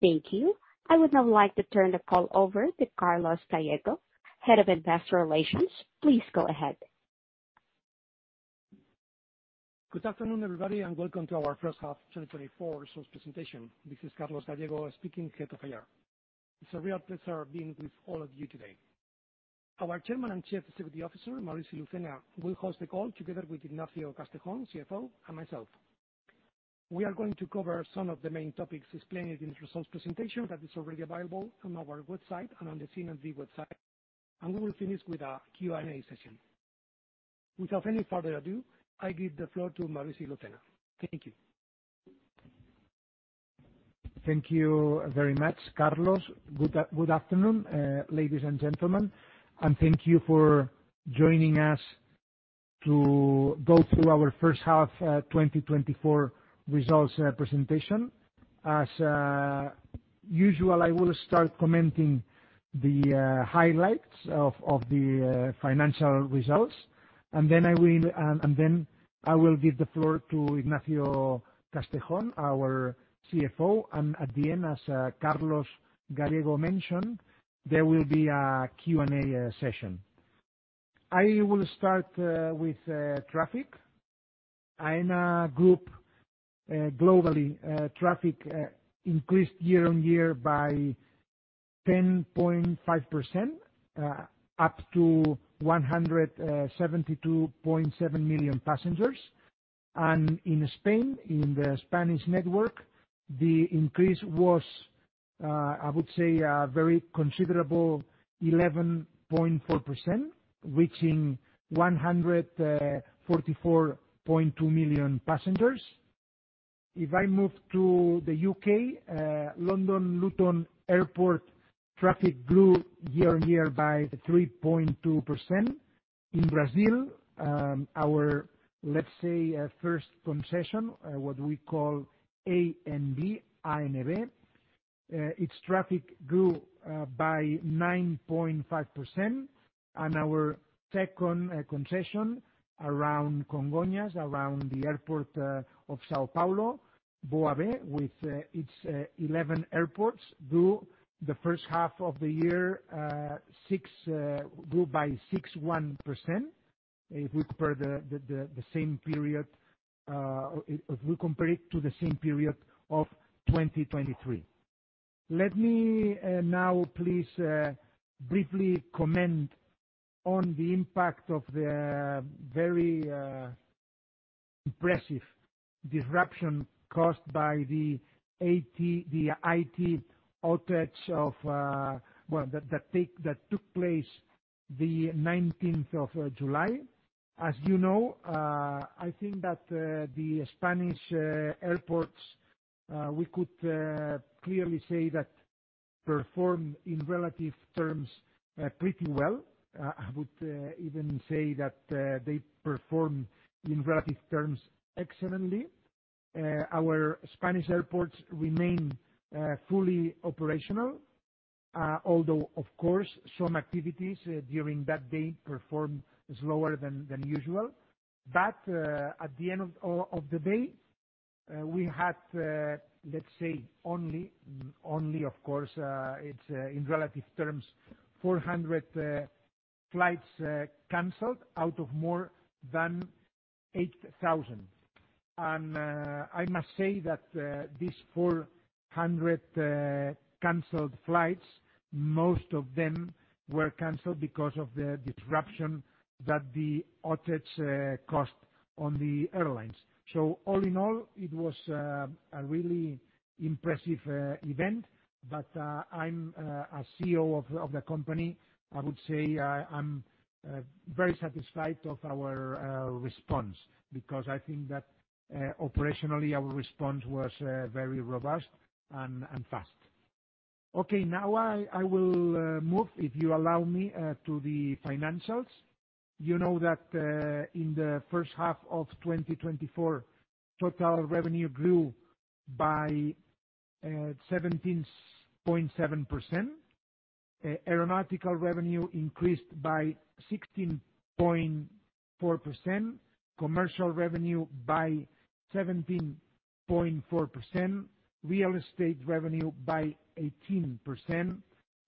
Thank you. I would now like to turn the call over to Carlos Gallego, Head of Investor Relations. Please go ahead. Good afternoon, everybody, and welcome to our first half 2024 results presentation. This is Carlos Gallego speaking, Head of IR. It's a real pleasure being with all of you today. Our Chairman and Chief Executive Officer, Maurici Lucena, will host the call together with Ignacio Castejón, CFO, and myself. We are going to cover some of the main topics explained in the results presentation that is already available on our website and on the CNMV website, and we will finish with a Q&A session. Without any further ado, I give the floor to Maurici Lucena. Thank you. Thank you very much, Carlos. Good afternoon, ladies and gentlemen, and thank you for joining us to go through our first half 2024 results presentation. As usual, I will start commenting the highlights of the financial results, and then I will give the floor to Ignacio Castejón, our CFO, and at the end, as Carlos Gallego mentioned, there will be a Q&A session. I will start with traffic. Aena group globally traffic increased year on year by 10.5%, up to 172.7 million passengers. And in Spain, in the Spanish network, the increase was, I would say, a very considerable 11.4%, reaching 144.2 million passengers. If I move to the U.K., London Luton Airport traffic grew year-on-year by 3.2%. In Brazil, our, let's say, first concession, what we call ANB, ANB, its traffic grew by 9.5%. And our second, concession around Congonhas, around the airport of São Paulo, BOAB, with its 11 airports, grew the first half of the year, grew by 6.1%, if we compare the same period, if we compare it to the same period of 2023. Let me now please briefly comment on the impact of the very impressive disruption caused by the IT outage of, well, that took place the nineteenth of July. As you know, I think that, the Spanish, airports, we could clearly say that performed in relative terms, pretty well. I would even say that, they performed in relative terms excellently. Our Spanish airports remain, fully operational, although, of course, some activities, during that day performed slower than usual. But, at the end of the day, we had, let's say, only, of course, it's, in relative terms, 400 flights, canceled out of more than 8,000. And, I must say that, these 400 canceled flights, most of them were canceled because of the disruption that the outage, caused on the airlines. So all in all, it was, a really impressive, event. But, as CEO of the company, I would say I'm very satisfied with our response, because I think that operationally, our response was very robust and fast. Okay, now I will move, if you allow me, to the financials. You know that in the first half of 2024, total revenue grew by 17.7%. Aeronautical revenue increased by 16.4%, commercial revenue by 17.4%, real estate revenue by 18%,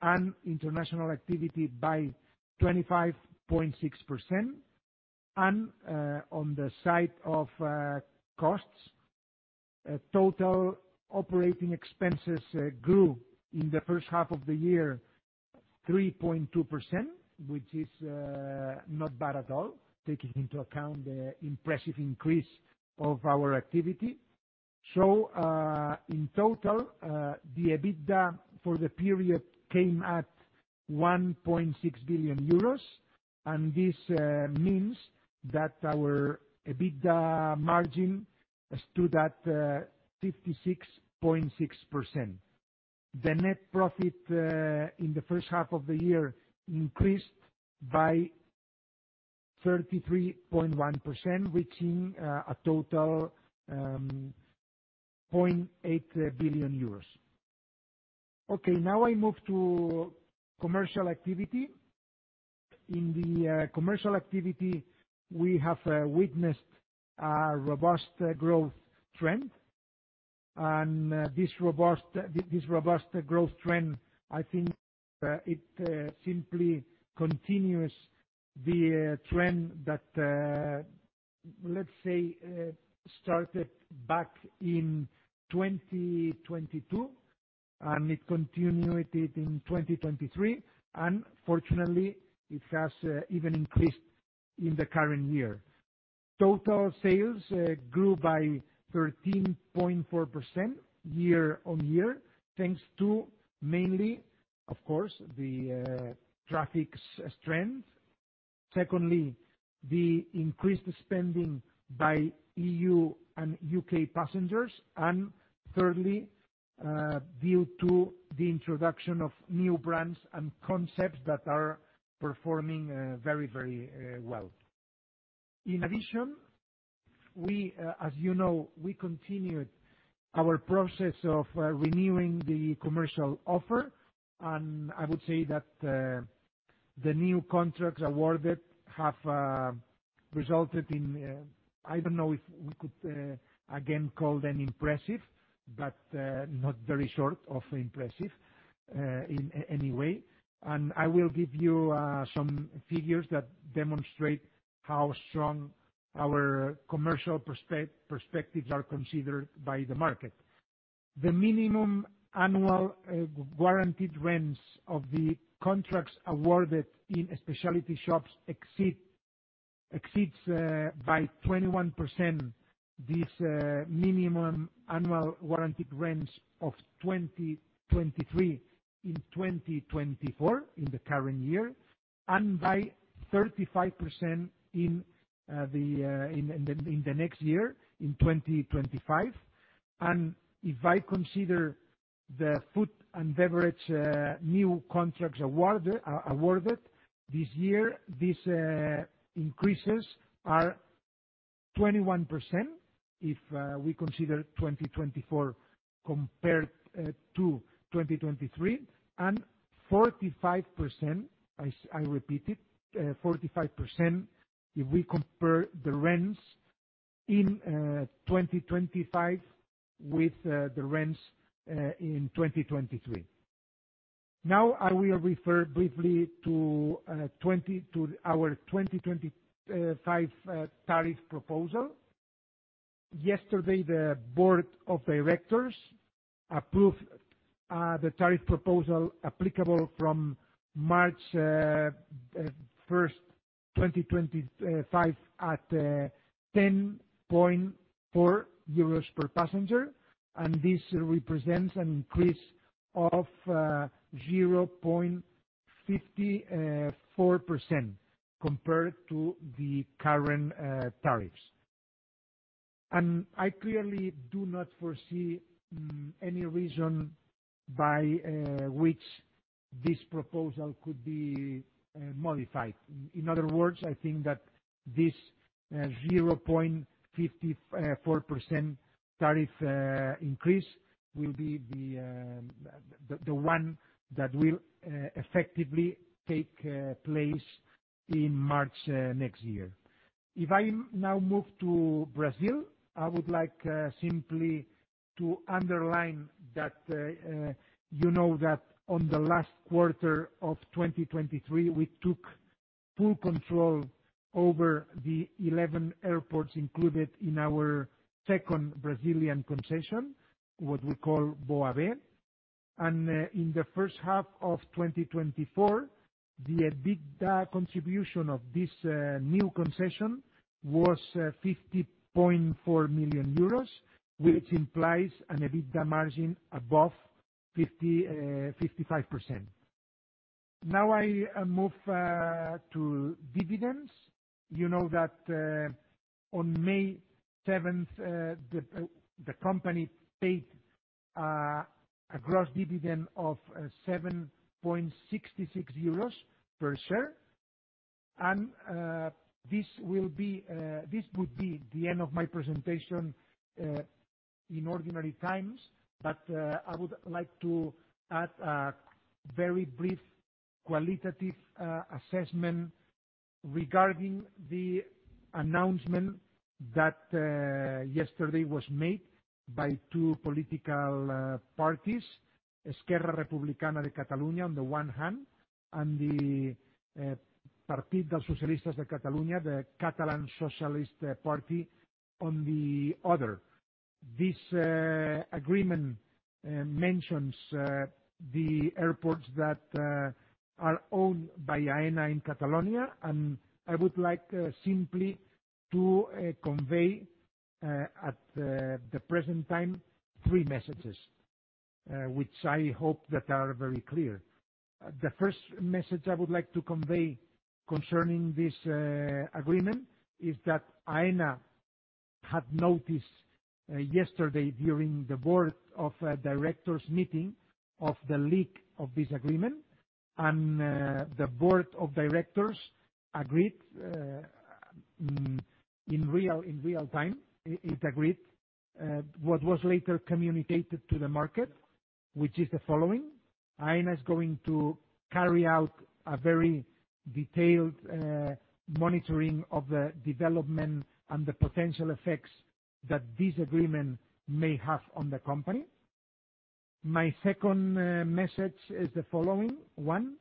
and international activity by 25.6%. And on the side of costs, total operating expenses grew in the first half of the year 3.2%, which is not bad at all, taking into account the impressive increase of our activity. So, in total, the EBITDA for the period came at 1.6 billion euros, and this means that our EBITDA margin stood at 56.6%. The net profit in the first half of the year increased by 33.1%, reaching a total 0.8 billion euros. Okay, now I move to commercial activity. In the commercial activity, we have witnessed a robust growth trend. And this robust, this robust growth trend, I think, it simply continues the trend that, let's say, started back in 2022, and it continued it in 2023, and fortunately, it has even increased in the current year. Total sales grew by 13.4% year-over-year, thanks to mainly, of course, the traffic's strength. Secondly, the increased spending by E.U. and U.K. passengers, and thirdly, due to the introduction of new brands and concepts that are performing, very, very, well. In addition, we, as you know, we continued our process of, renewing the commercial offer, and I would say that, the new contracts awarded have, resulted in, I don't know if we could, again, call them impressive, but, not very short of impressive, in any way. And I will give you, some figures that demonstrate how strong our commercial perspectives are considered by the market. The minimum annual guaranteed rents of the contracts awarded in specialty shops exceeds by 21% this minimum annual guaranteed rents of 2023 in 2024, in the current year, and by 35% in the next year, in 2025. And if I consider the food and beverage new contracts awarded this year, these increases are 21%, if we consider 2024 compared to 2023, and 45%, I repeat it, 45%, if we compare the rents in 2025 with the rents in 2023. Now, I will refer briefly to our 2025 tariff proposal. Yesterday, the board of directors approved the tariff proposal applicable from March 1, 2025, at 10.4 euros per passenger, and this represents an increase of 0.54% compared to the current tariffs. I clearly do not foresee any reason by which this proposal could be modified. In other words, I think that this 0.54% tariff increase will be the the one that will effectively take place in March next year. If I now move to Brazil, I would like simply to underline that you know that on the last quarter of 2023, we took full control over the 11 airports included in our second Brazilian concession, what we call BOAB. In the first half of 2024, the EBITDA contribution of this new concession was 50.4 million euros, which implies an EBITDA margin above 55%. Now, I move to dividends. You know that on May 7, the company paid a gross dividend of 7.66 euros per share. And this will be, this would be the end of my presentation in ordinary times, but I would like to add a very brief qualitative assessment regarding the announcement that yesterday was made by two political parties, Esquerra Republicana de Catalunya on the one hand, and the Partit dels Socialistes de Catalunya, the Catalan Socialist Party, on the other. This agreement mentions the airports that are owned by Aena in Catalonia, and I would like simply to convey at the present time three messages which I hope that are very clear. The first message I would like to convey concerning this agreement is that Aena had noticed yesterday during the board of directors' meeting of the leak of this agreement, and the board of directors agreed in real time it agreed what was later communicated to the market, which is the following: Aena is going to carry out a very detailed monitoring of the development and the potential effects that this agreement may have on the company. My second message is the following: one,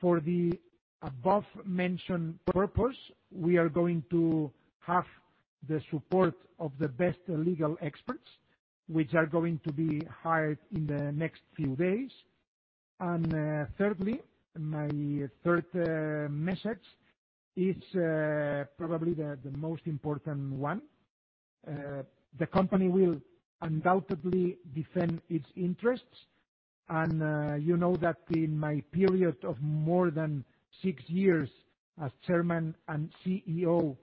for the above-mentioned purpose, we are going to have the support of the best legal experts, which are going to be hired in the next few days. And thirdly, my third message is probably the most important one. The company will undoubtedly defend its interests, and you know that in my period of more than six years as Chairman and CEO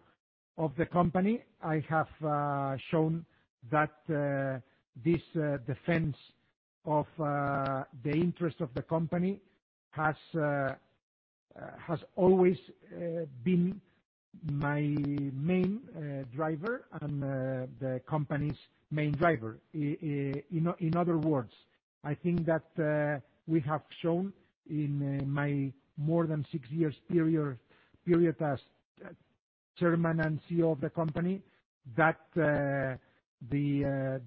of the company, I have shown that this defense of the interest of the company has always been my main driver and the company's main driver. In other words, I think that we have shown in my more than six years period as chairman and CEO of the company, that the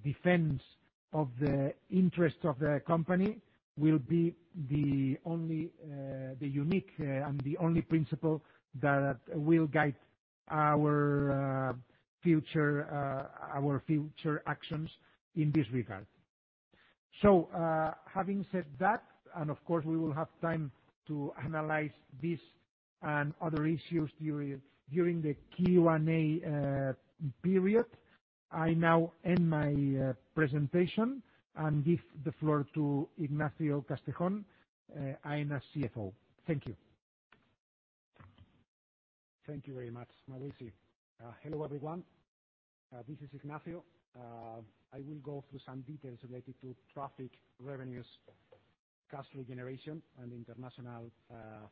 defense of the interest of the company will be the only, the unique, and the only principle that will guide our future actions in this regard. So, having said that, and of course, we will have time to analyze this and other issues during the Q&A period, I now end my presentation and give the floor to Ignacio Castejón, Aena's CFO. Thank you. Thank you very much, Maurici. Hello, everyone, this is Ignacio. I will go through some details related to traffic, revenues, cash generation, and international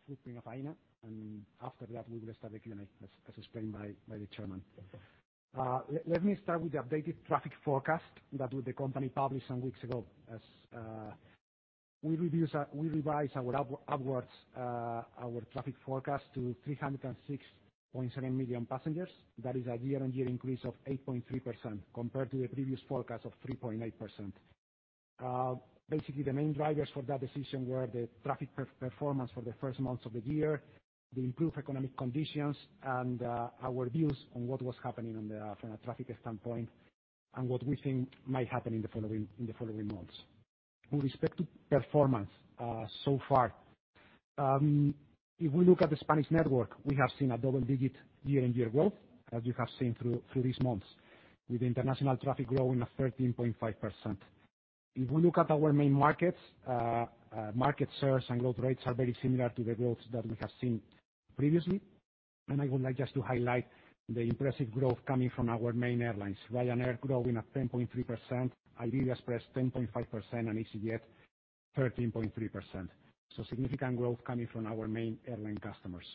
footprint of Aena, and after that, we will start the Q&A, as explained by the chairman. Let me start with the updated traffic forecast that the company published some weeks ago. As we revised our upward traffic forecast to 306.7 million passengers. That is a year-on-year increase of 8.3%, compared to the previous forecast of 3.8%. Basically, the main drivers for that decision were the traffic per-performance for the first months of the year, the improved economic conditions, and our views on what was happening on the from a traffic standpoint, and what we think might happen in the following months. With respect to performance, so far, if we look at the Spanish network, we have seen a double-digit year-on-year growth, as you have seen through these months, with international traffic growing at 13.5%. If we look at our main markets, market shares and growth rates are very similar to the growths that we have seen previously. I would like just to highlight the impressive growth coming from our main airlines, Ryanair growing at 10.3%, Iberia Express 10.5%, and easyJet 13.3%, so significant growth coming from our main airline customers.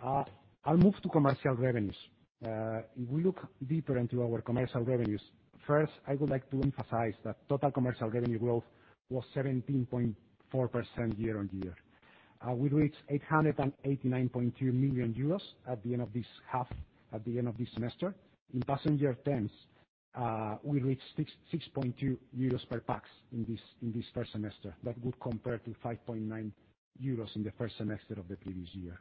I'll move to commercial revenues. If we look deeper into our commercial revenues, first, I would like to emphasize that total commercial revenue growth was 17.4% year-on-year. We reached 889.2 million euros at the end of this half, at the end of this semester. In passenger terms, we reached 6.2 euros per pax in this first semester. That would compare to 5.9 euros in the first semester of the previous year.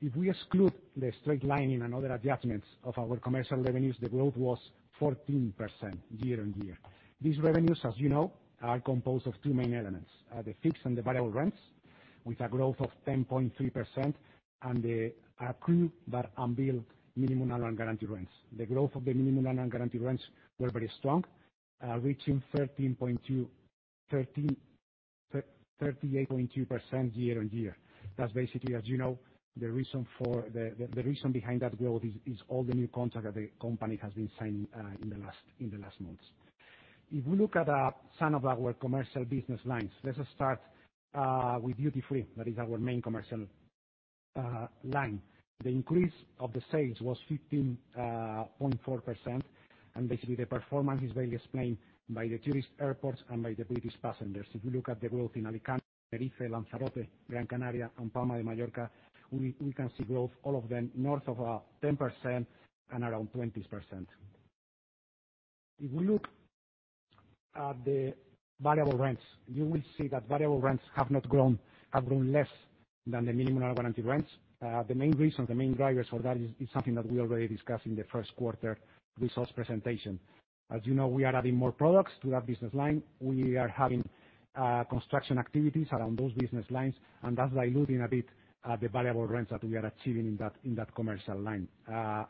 If we exclude the straight-lining and other adjustments of our commercial revenues, the growth was 14% year-on-year. These revenues, as you know, are composed of two main elements, the fixed and the variable rents, with a growth of 10.3%, and the accrued, but unbilled, minimum and guaranteed rents. The growth of the minimum and guaranteed rents were very strong, reaching 38.2% year-on-year. That's basically, as you know, the reason behind that growth is all the new contract that the company has been signing in the last months. If we look at some of our commercial business lines, let us start with duty-free. That is our main commercial line. The increase of the sales was 15.4%, and basically the performance is very explained by the tourist airports and by the British passengers. If you look at the growth in Alicante, Tenerife, Lanzarote, Gran Canaria, and Palma de Mallorca, we can see growth, all of them, north of 10% and around 20%. If we look at the variable rents, you will see that variable rents have not grown, have grown less than the minimum and guaranteed rents. The main reason, the main drivers for that is something that we already discussed in the first quarter resource presentation. As you know, we are adding more products to that business line. We are having construction activities around those business lines, and that's diluting a bit the variable rents that we are achieving in that commercial line.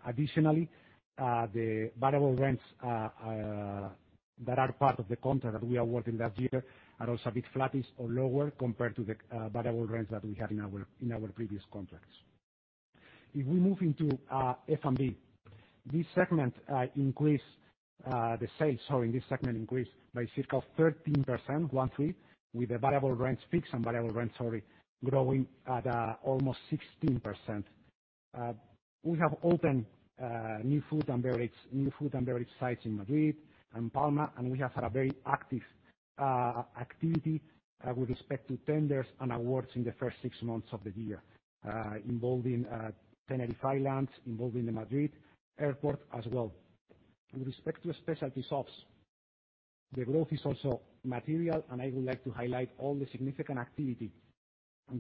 Additionally, the variable rents that are part of the contract that we awarded last year are also a bit flattish or lower compared to the variable rents that we had in our previous contracts. This segment increased by circa 13%, one three, with the variable rents, fixed and variable rents, sorry, growing at almost 16%. We have opened new food and beverage sites in Madrid and Palma, and we have had a very active activity with respect to tenders and awards in the first six months of the year, involving Tenerife Islands, involving the Madrid Airport as well. With respect to specialty shops, the growth is also material, and I would like to highlight all the significant activity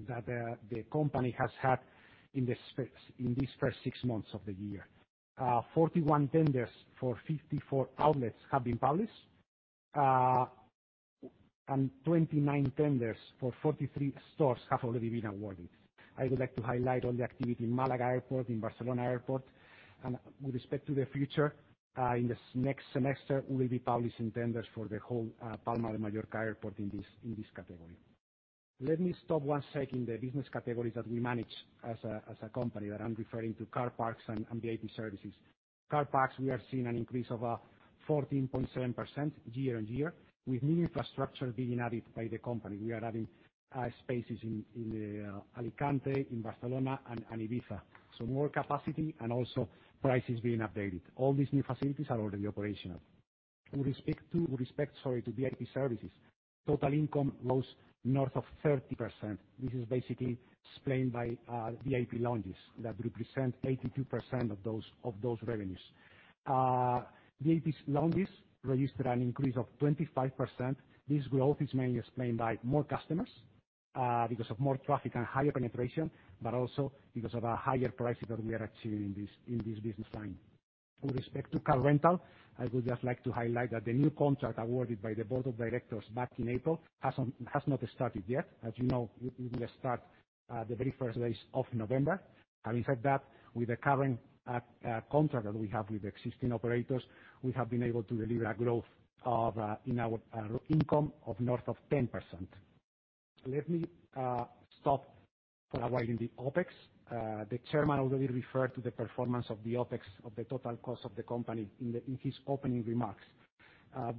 that the company has had in the space, in these first six months of the year. 41 tenders for 54 outlets have been published, and 29 tenders for 43 stores have already been awarded. I would like to highlight all the activity in Málaga Airport, in Barcelona Airport, and with respect to the future, in this next semester, we will be publishing tenders for the whole Palma de Mallorca Airport in this category. Let me stop one second the business categories that we manage as a company, that I'm referring to car parks and VIP services. Car parks, we are seeing an increase of 14.7% year-on-year, with new infrastructure being added by the company. We are adding spaces in Alicante, in Barcelona and Ibiza. So more capacity and also prices being updated. All these new facilities are already operational. With respect to VIP services, total income grows north of 30%. This is basically explained by VIP lounges that represent 82% of those revenues. VIP lounges registered an increase of 25%. This growth is mainly explained by more customers because of more traffic and higher penetration, but also because of higher prices that we are achieving in this business line. With respect to car rental, I would just like to highlight that the new contract awarded by the board of directors back in April has not started yet. As you know, it will start the very first days of November. And inside that, with the current contract that we have with existing operators, we have been able to deliver a growth of in our income of north of 10%. Let me stop for a while in the OpEx. The chairman already referred to the performance of the OpEx of the total cost of the company in his opening remarks.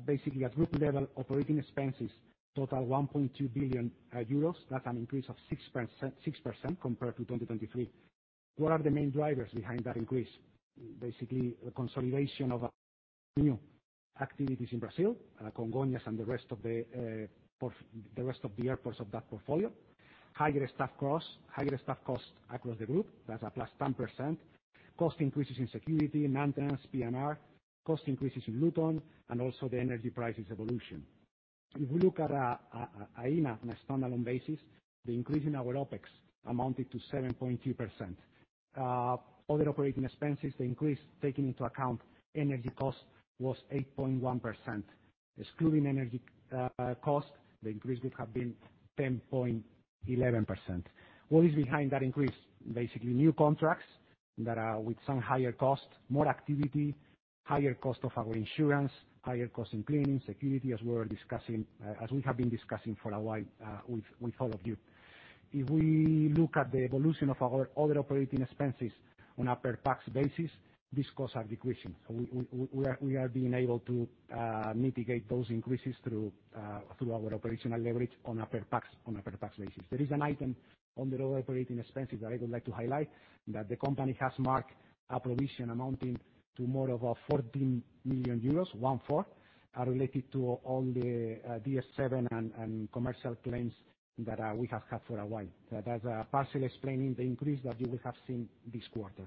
Basically, at group level, operating expenses total 1.2 billion euros. That's an increase of 6%, 6% compared to 2023. What are the main drivers behind that increase? Basically, the consolidation of new activities in Brazil, Congonhas and the rest of the airports of that portfolio. Higher staff costs, higher staff costs across the group, that's a +10%. Cost increases in security, maintenance, PNR, cost increases in Luton, and also the energy prices evolution. If we look at Aena on a standalone basis, the increase in our OpEx amounted to 7.2%. Other operating expenses, the increase taking into account energy cost, was 8.1%. Excluding energy cost, the increase would have been 10.11%. What is behind that increase? Basically, new contracts that are with some higher costs, more activity, higher cost of our insurance, higher cost in cleaning, security, as we were discussing, as we have been discussing for a while, with all of you. If we look at the evolution of our other operating expenses on a per pax basis, this costs are decreasing. So we are being able to mitigate those increases through our operational leverage on a per pax basis. There is an item on the lower operating expenses that I would like to highlight, that the company has marked a provision amounting to more than 14 million euros, EUR 14 million, related to all the DF 7 and commercial claims that we have had for a while. That is partially explaining the increase that you will have seen this quarter.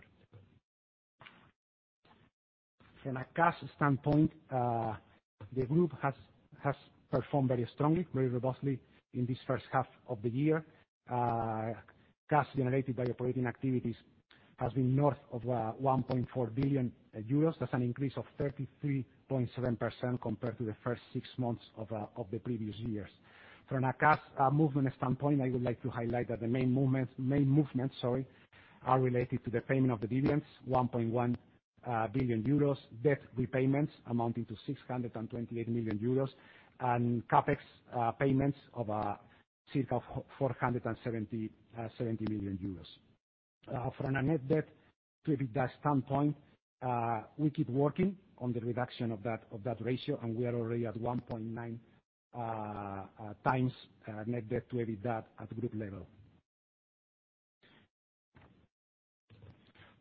From a cash standpoint, the group has performed very strongly, very robustly, in this first half of the year. Cash generated by operating activities has been north of 1.4 billion euros. That's an increase of 33.7% compared to the first six months of the previous years. From a cash movement standpoint, I would like to highlight that the main movements, main movements, sorry, are related to the payment of the dividends, 1.1 billion euros, debt repayments amounting to 628 million euros, and CapEx payments of circa 477 million euros. From a net debt to EBITDA standpoint, we keep working on the reduction of that, of that ratio, and we are already at 1.9 times net debt to EBITDA at group level.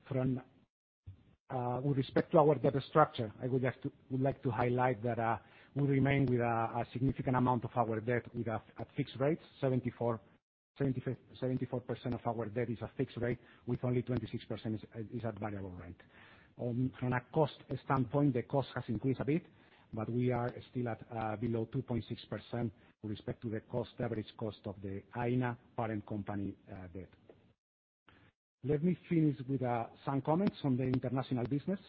From, with respect to our debt structure, I would like to, would like to highlight that, we remain with a significant amount of our debt at fixed rates. 74%, 75%, 74% of our debt is a fixed rate, with only 26% is at variable rate. From a cost standpoint, the cost has increased a bit, but we are still at below 2.6% with respect to the cost, average cost of the Aena parent company debt. Let me finish with some comments on the international business.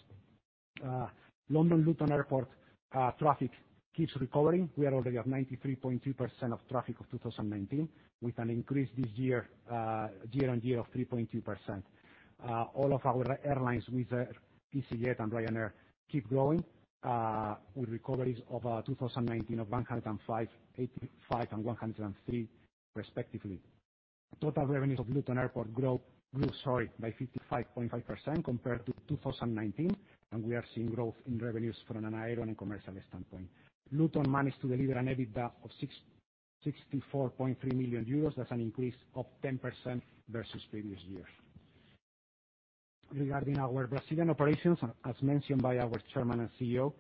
London Luton Airport traffic keeps recovering. We are already at 93.2% of traffic of 2019, with an increase this year year-on-year of 3.2%. All of our airlines with easyJet and Ryanair keep growing with recoveries of 2019 of 105, 85, and 103 respectively.... Total revenues of Luton Airport grow, grew, sorry, by 55.5% compared to 2019, and we are seeing growth in revenues from an airline and commercial standpoint. Luton managed to deliver an EBITDA of 64.3 million euros. That's an increase of 10% versus previous years. Regarding our Brazilian operations, as mentioned by our chairman and CEO,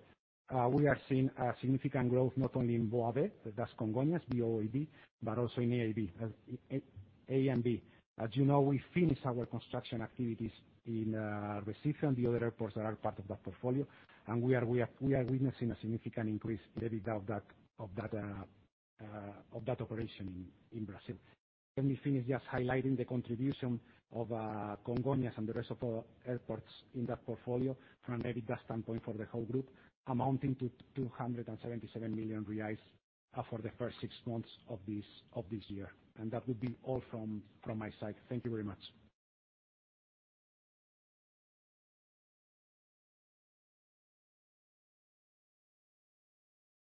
we are seeing a significant growth, not only in BOAB, that's Congonhas, B-O-A-B, but also in AAB, ANB. As you know, we finished our construction activities in Recife and the other airports that are part of that portfolio, and we are witnessing a significant increase in the EBITDA of that operation in Brazil. Let me finish just highlighting the contribution of Congonhas and the rest of our airports in that portfolio from an EBITDA standpoint for the whole group, amounting to 277 million reais for the first six months of this year. And that would be all from my side. Thank you very much.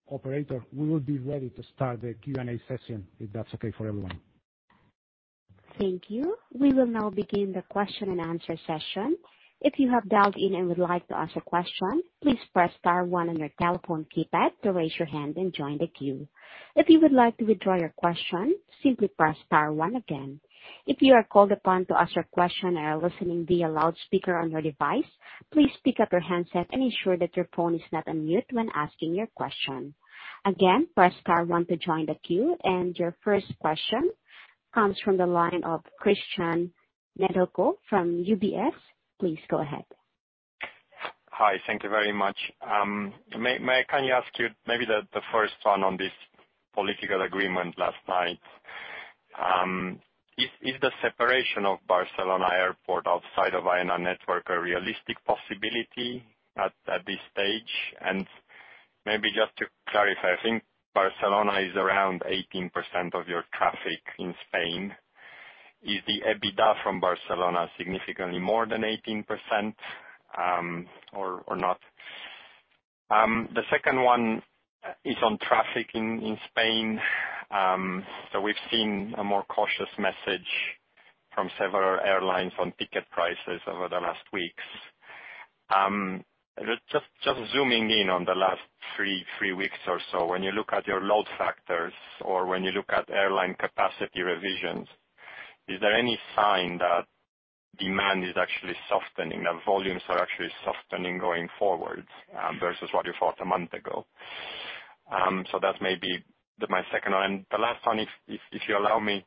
Operator, we will be ready to start the Q&A session, if that's okay for everyone. Thank you. We will now begin the question and answer session. If you have dialed in and would like to ask a question, please press star one on your telephone keypad to raise your hand and join the queue. If you would like to withdraw your question, simply press star one again. If you are called upon to ask a question and are listening via loudspeaker on your device, please pick up your handset and ensure that your phone is not on mute when asking your question. Again, press star one to join the queue, and your first question comes from the line of Cristian Nedelcu from UBS. Please go ahead. Hi, thank you very much. May I kindly ask you, maybe the first one on this political agreement last night, is the separation of Barcelona Airport outside of Aena network a realistic possibility at this stage? And maybe just to clarify, I think Barcelona is around 18% of your traffic in Spain. Is the EBITDA from Barcelona significantly more than 18%, or not? The second one is on traffic in Spain. So we've seen a more cautious message from several airlines on ticket prices over the last weeks. Just zooming in on the last three weeks or so, when you look at your load factors, or when you look at airline capacity revisions, is there any sign that demand is actually softening, that volumes are actually softening going forwards, versus what you thought a month ago? So that may be the, my second one. And the last one, if you allow me,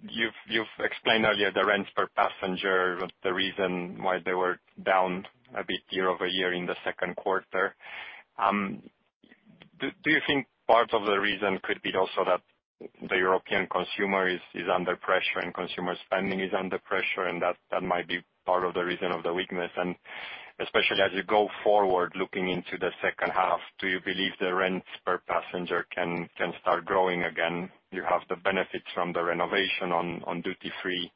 you've explained earlier the rents per passenger, the reason why they were down a bit year over year in the second quarter. Do you think part of the reason could be also that the European consumer is under pressure, and consumer spending is under pressure, and that might be part of the reason of the weakness? Especially as you go forward, looking into the second half, do you believe the rents per passenger can, can start growing again? You have the benefits from the renovation on, on duty free,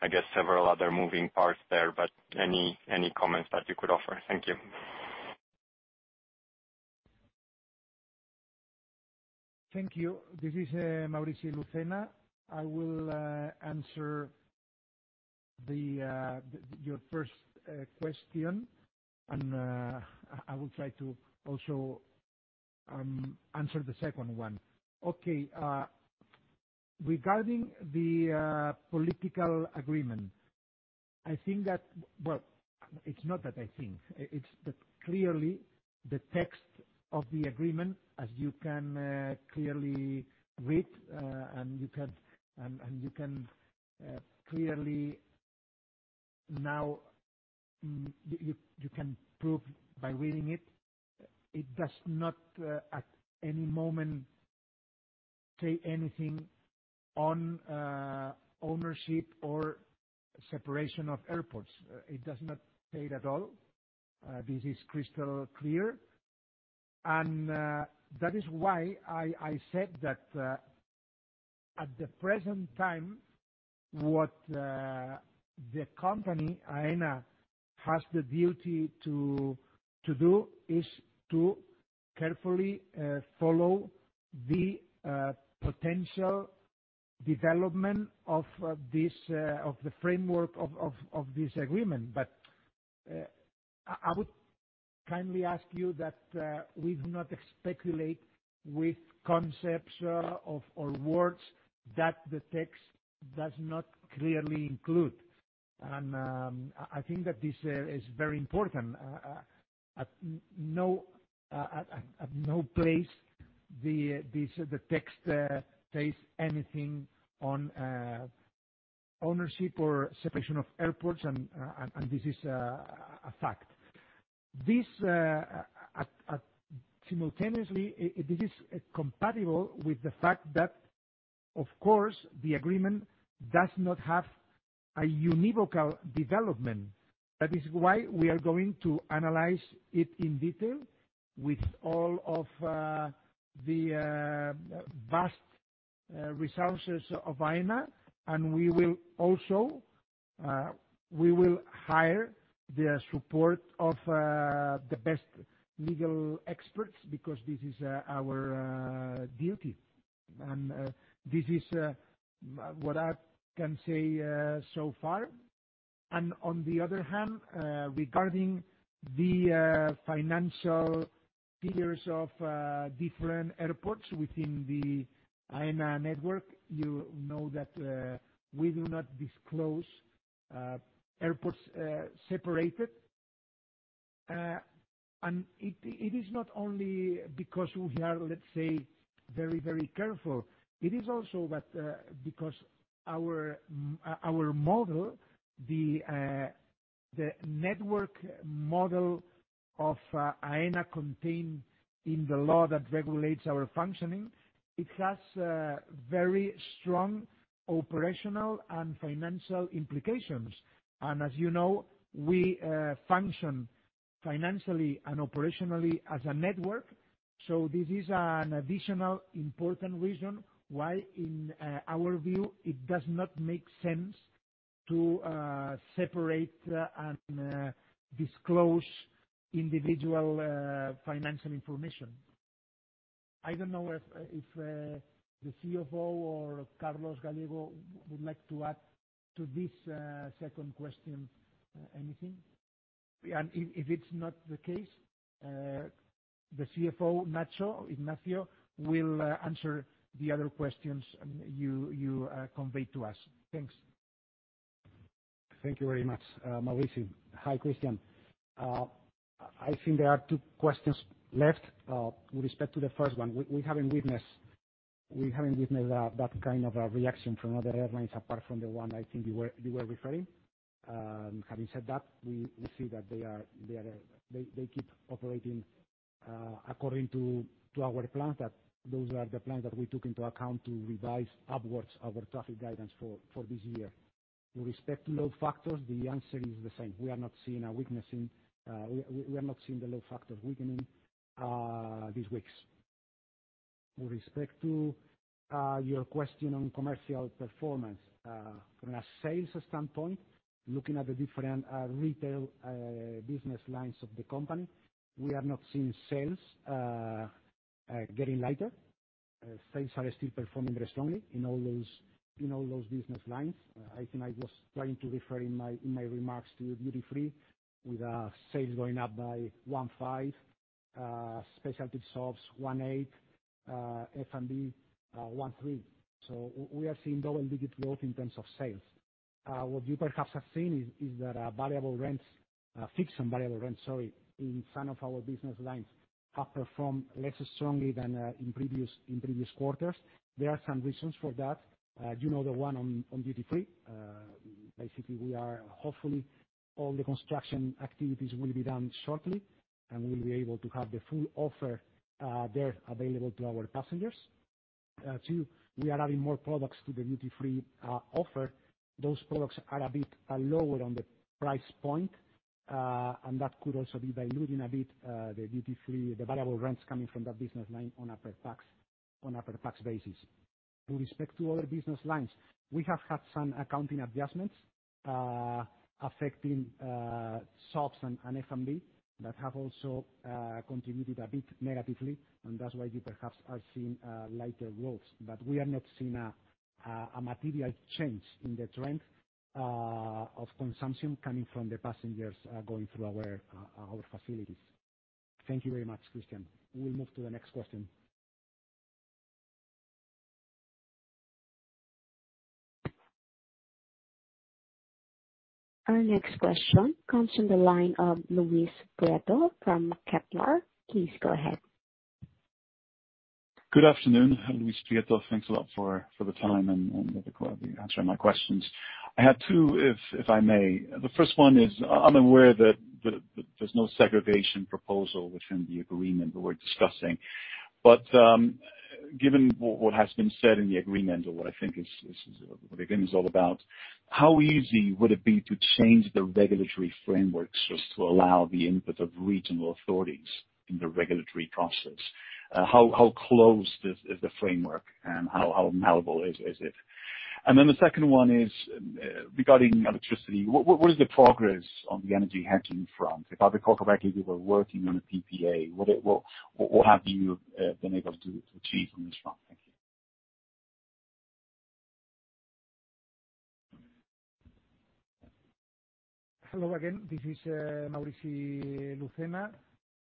I guess several other moving parts there, but any, any comments that you could offer? Thank you. Thank you. This is Maurici Lucena. I will answer your first question, and I will try to also answer the second one. Okay, regarding the political agreement, I think that... Well, it's not that I think, it's that clearly the text of the agreement, as you can clearly read, and you can clearly now, you can prove by reading it, it does not at any moment say anything on ownership or separation of airports. It does not say it at all. This is crystal clear, and that is why I said that at the present time, what the company, Aena, has the duty to do is to carefully follow the potential development of the framework of this agreement. But I would kindly ask you that we do not speculate with concepts or words that the text does not clearly include. And I think that this is very important. At no place the text says anything on ownership or separation of airports, and this is a fact. This simultaneously is compatible with the fact that, of course, the agreement does not have a univocal development. That is why we are going to analyze it in detail with all of the vast resources of Aena, and we will also hire the support of the best legal experts because this is our duty, and this is what I can say so far. On the other hand, regarding the financial figures of different airports within the Aena network, you know that we do not disclose airports separated. And it is not only because we are, let's say, very, very careful, it is also that because our model, the network model of Aena contained in the law that regulates our functioning, it has very strong operational and financial implications. And as you know, we function financially and operationally as a network, so this is an additional important reason why, in our view, it does not make sense to separate and disclose individual financial information. I don't know if the CFO or Carlos Gallego would like to add to this second question anything? And if it's not the case, the CFO, Nacho, Ignacio, will answer the other questions you convey to us. Thanks. Thank you very much, Mauricio. Hi, Christian. I think there are two questions left. With respect to the first one, we haven't witnessed that kind of a reaction from other airlines, apart from the one I think you were referring. Having said that, we see that they keep operating according to our plans, that those are the plans that we took into account to revise upwards our traffic guidance for this year. With respect to load factors, the answer is the same. We are not seeing a weakness in, we are not seeing the load factor weakening these weeks. With respect to your question on commercial performance, from a sales standpoint, looking at the different retail business lines of the company, we are not seeing sales getting lighter. Sales are still performing very strongly in all those business lines. I think I was trying to refer in my remarks to duty free, with sales going up by 15, specialty shops 18, F&B 13. So we are seeing double-digit growth in terms of sales. What you perhaps have seen is that variable rents, fixed and variable rents, sorry, in some of our business lines, have performed less strongly than in previous quarters. There are some reasons for that. You know, the one on duty free. Basically, we are... Hopefully, all the construction activities will be done shortly, and we'll be able to have the full offer there available to our passengers. Two, we are adding more products to the duty free offer. Those products are a bit lower on the price point, and that could also be diluting a bit the duty free, the variable rents coming from that business line on a per pax basis. With respect to other business lines, we have had some accounting adjustments affecting shops and F&B that have also contributed a bit negatively, and that's why you perhaps are seeing lighter growth. But we are not seeing a material change in the trend of consumption coming from the passengers going through our facilities. Thank you very much, Christian. We'll move to the next question. Our next question comes from the line of Luis Prieto from Kepler. Please go ahead. Good afternoon. I'm Luis Prieto. Thanks a lot for the time and for answering my questions. I had two, if I may. The first one is, I'm aware that there's no segregation proposal within the agreement that we're discussing, but given what has been said in the agreement, or what I think is what the agreement is all about, how easy would it be to change the regulatory frameworks just to allow the input of regional authorities in the regulatory process? How closed is the framework, and how malleable is it? And then the second one is, regarding electricity, what is the progress on the energy hedging front? If I recall correctly, you were working on a PPA. What have you been able to achieve on this front? Thank you. Hello again. This is Maurici Lucena.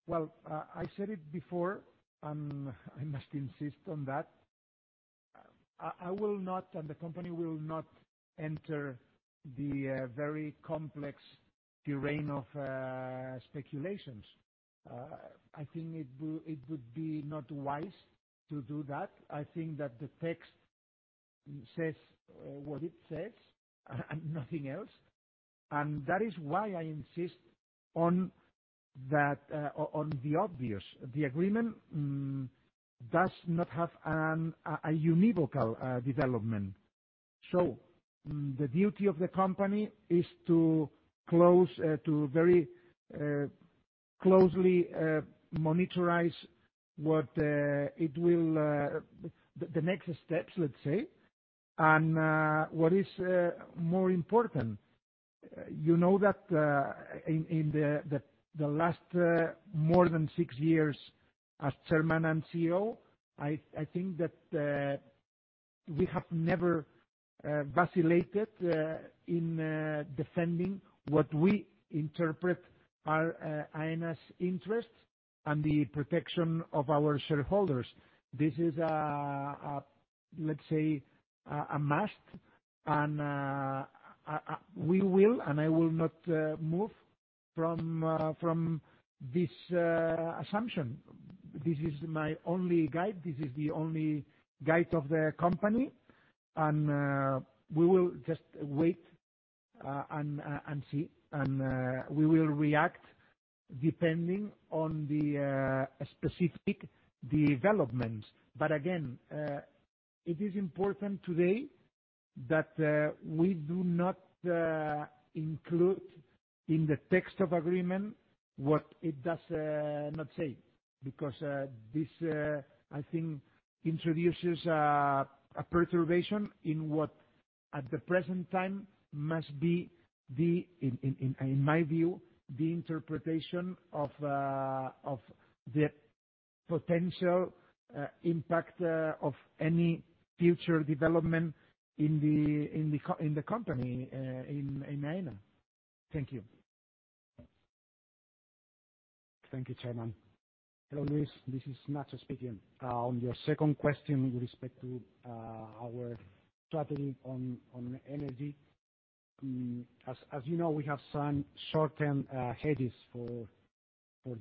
Well, I said it before, and I must insist on that. I will not, and the company will not enter the very complex terrain of speculations. I think it would be not wise to do that. I think that the text says what it says, and nothing else, and that is why I insist on that, on the obvious. The agreement does not have a univocal development. So the duty of the company is to close to very closely monitorize what it will, the next steps, let's say, and what is more important, you know that in the last more than six years as Chairman and CEO, I think that we have never vacillated in defending what we interpret are Aena's interests and the protection of our shareholders. This is a, let's say, a must, and I will not move from this assumption. This is my only guide. This is the only guide of the company, and we will just wait and see, and we will react depending on the specific developments. But again, it is important today that we do not include in the text of agreement what it does not say, because this, I think, introduces a perturbation in what, at the present time, must be the, in my view, the interpretation of the potential impact of any future development in the company, in Aena. Thank you. Thank you, Chairman. Hello, Luis. This is Nacho speaking. On your second question with respect to our strategy on energy, as you know, we have signed short-term hedges for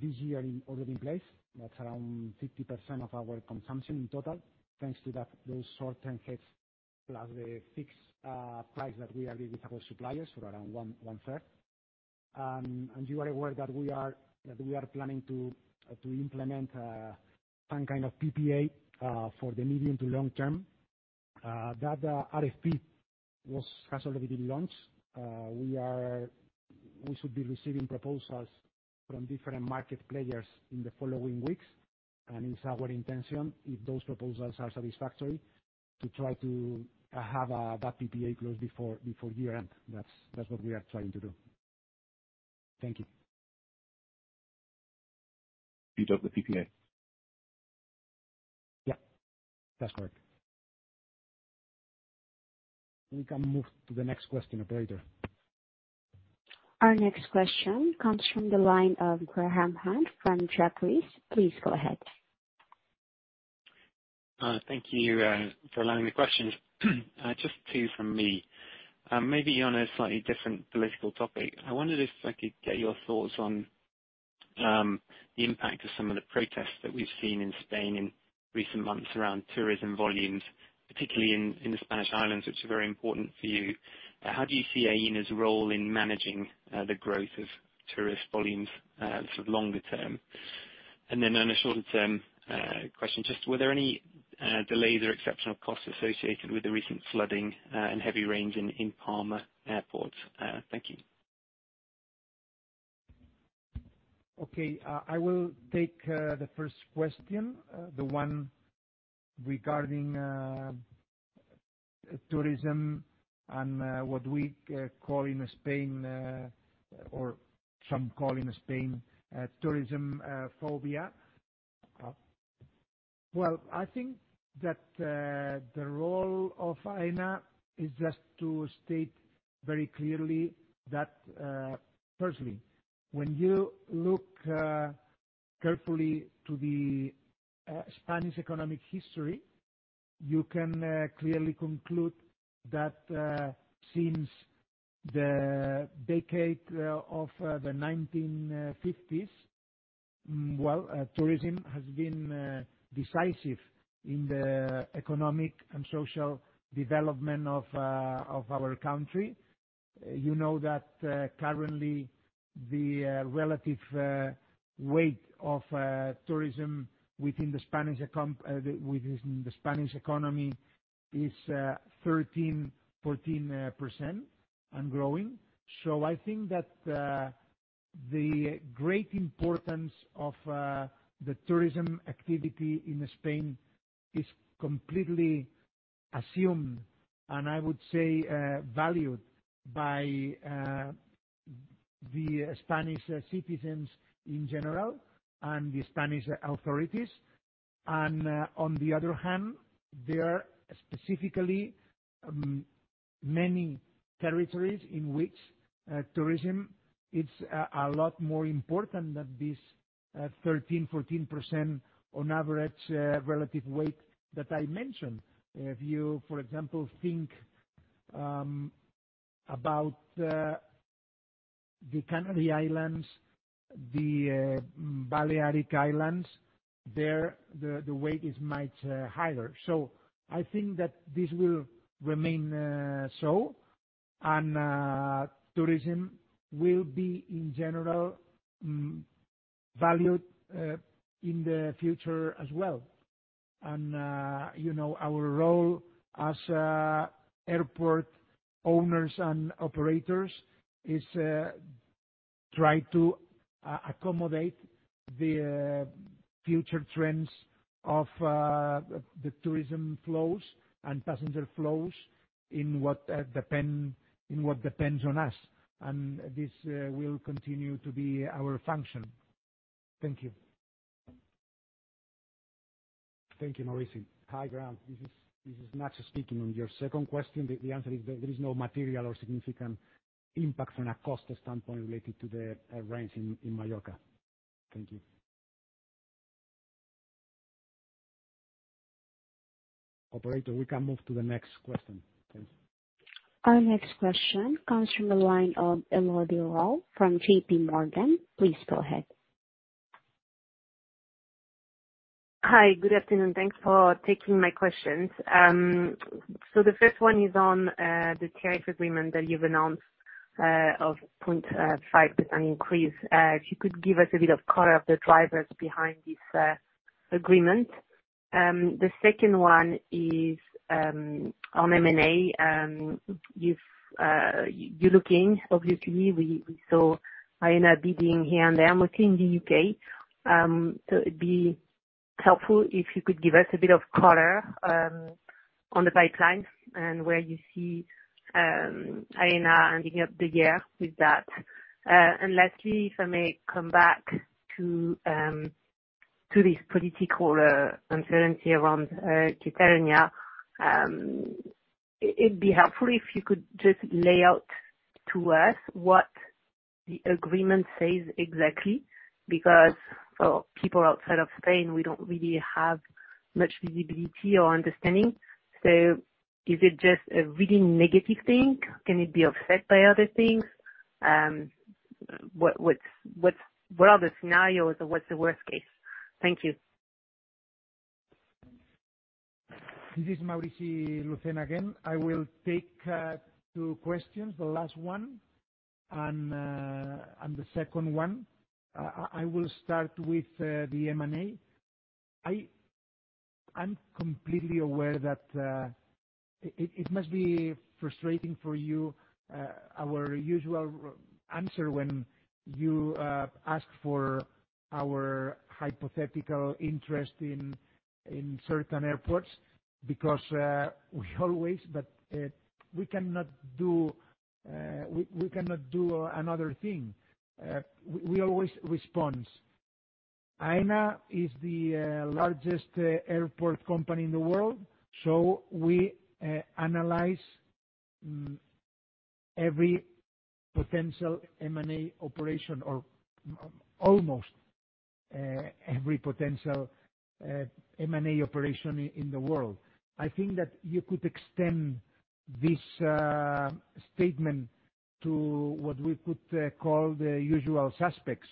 this year already in place. That's around 50% of our consumption in total, thanks to that, those short-term hedges, plus the fixed price that we have with our suppliers, so around one third. You are aware that we are planning to implement some kind of PPA for the medium to long term. That RFP has already been launched. We should be receiving proposals from different market players in the following weeks, and it's our intention, if those proposals are satisfactory, to try to have that PPA closed before year end. That's, that's what we are trying to do. Thank you. You dropped the PPA. Yeah, that's correct. We can move to the next question, operator. Our next question comes from the line of Graham Hunt from Jefferies. Please go ahead. Thank you for allowing the questions. Just two from me. Maybe on a slightly different political topic, I wondered if I could get your thoughts on the impact of some of the protests that we've seen in Spain in recent months around tourism volumes, particularly in the Spanish islands, which are very important for you. How do you see Aena's role in managing the growth of tourist volumes sort of longer term? And then on a shorter term question, just were there any delays or exceptional costs associated with the recent flooding and heavy rain in Palma Airport? Thank you. Okay, I will take the first question, the one regarding tourism, and what we call in Spain, or some call in Spain, tourism phobia. Well, I think that the role of Aena is just to state very clearly that, firstly, when you look carefully to the Spanish economic history, you can clearly conclude that, since the decade of the 1950s, well, tourism has been decisive in the economic and social development of our country. You know that, currently, the relative weight of tourism within the Spanish economy is 13%-14% and growing. So I think that the great importance of the tourism activity in Spain is completely assumed, and I would say valued by the Spanish citizens in general and the Spanish authorities. On the other hand, there are specifically many territories in which tourism is a lot more important than this 13%-14% on average relative weight that I mentioned. If you, for example, think about the Canary Islands, the Balearic Islands, there the weight is much higher. So I think that this will remain so, and tourism will be, in general, valued in the future as well. You know, our role as airport owners and operators is try to accommodate the future trends of the tourism flows and passenger flows in what depends on us, and this will continue to be our function. Thank you. Thank you, Mauricio. Hi, Graham, this is Nacho speaking. On your second question, the answer is, there is no material or significant impact from a cost standpoint related to the rains in Mallorca. Thank you. Operator, we can move to the next question. Thanks. Our next question comes from the line of Elodie Rall from JPMorgan. Please go ahead. Hi, good afternoon, thanks for taking my questions. So the first one is on the tariff agreement that you've announced of 0.5% increase. If you could give us a bit of color of the drivers behind this agreement. The second one is on M&A. You're looking obviously, we saw Aena bidding here and there, mostly in the U.K. So it'd be helpful if you could give us a bit of color on the pipeline, and where you see Aena ending up the year with that. And lastly, if I may come back to this political uncertainty around Catalonia. It'd be helpful if you could just lay out to us what the agreement says exactly, because for people outside of Spain, we don't really have much visibility or understanding. So is it just a really negative thing? Can it be offset by other things? What are the scenarios, and what's the worst case? Thank you. This is Maurici Lucena again. I will take two questions, the last one and the second one. I will start with the M&A. I'm completely aware that it must be frustrating for you, our usual answer when you ask for our hypothetical interest in certain airports, because we always... But we cannot do another thing. We always respond. Aena is the largest airport company in the world, so we analyze every potential M&A operation, or almost every potential M&A operation in the world. I think that you could extend this statement to what we could call the usual suspects.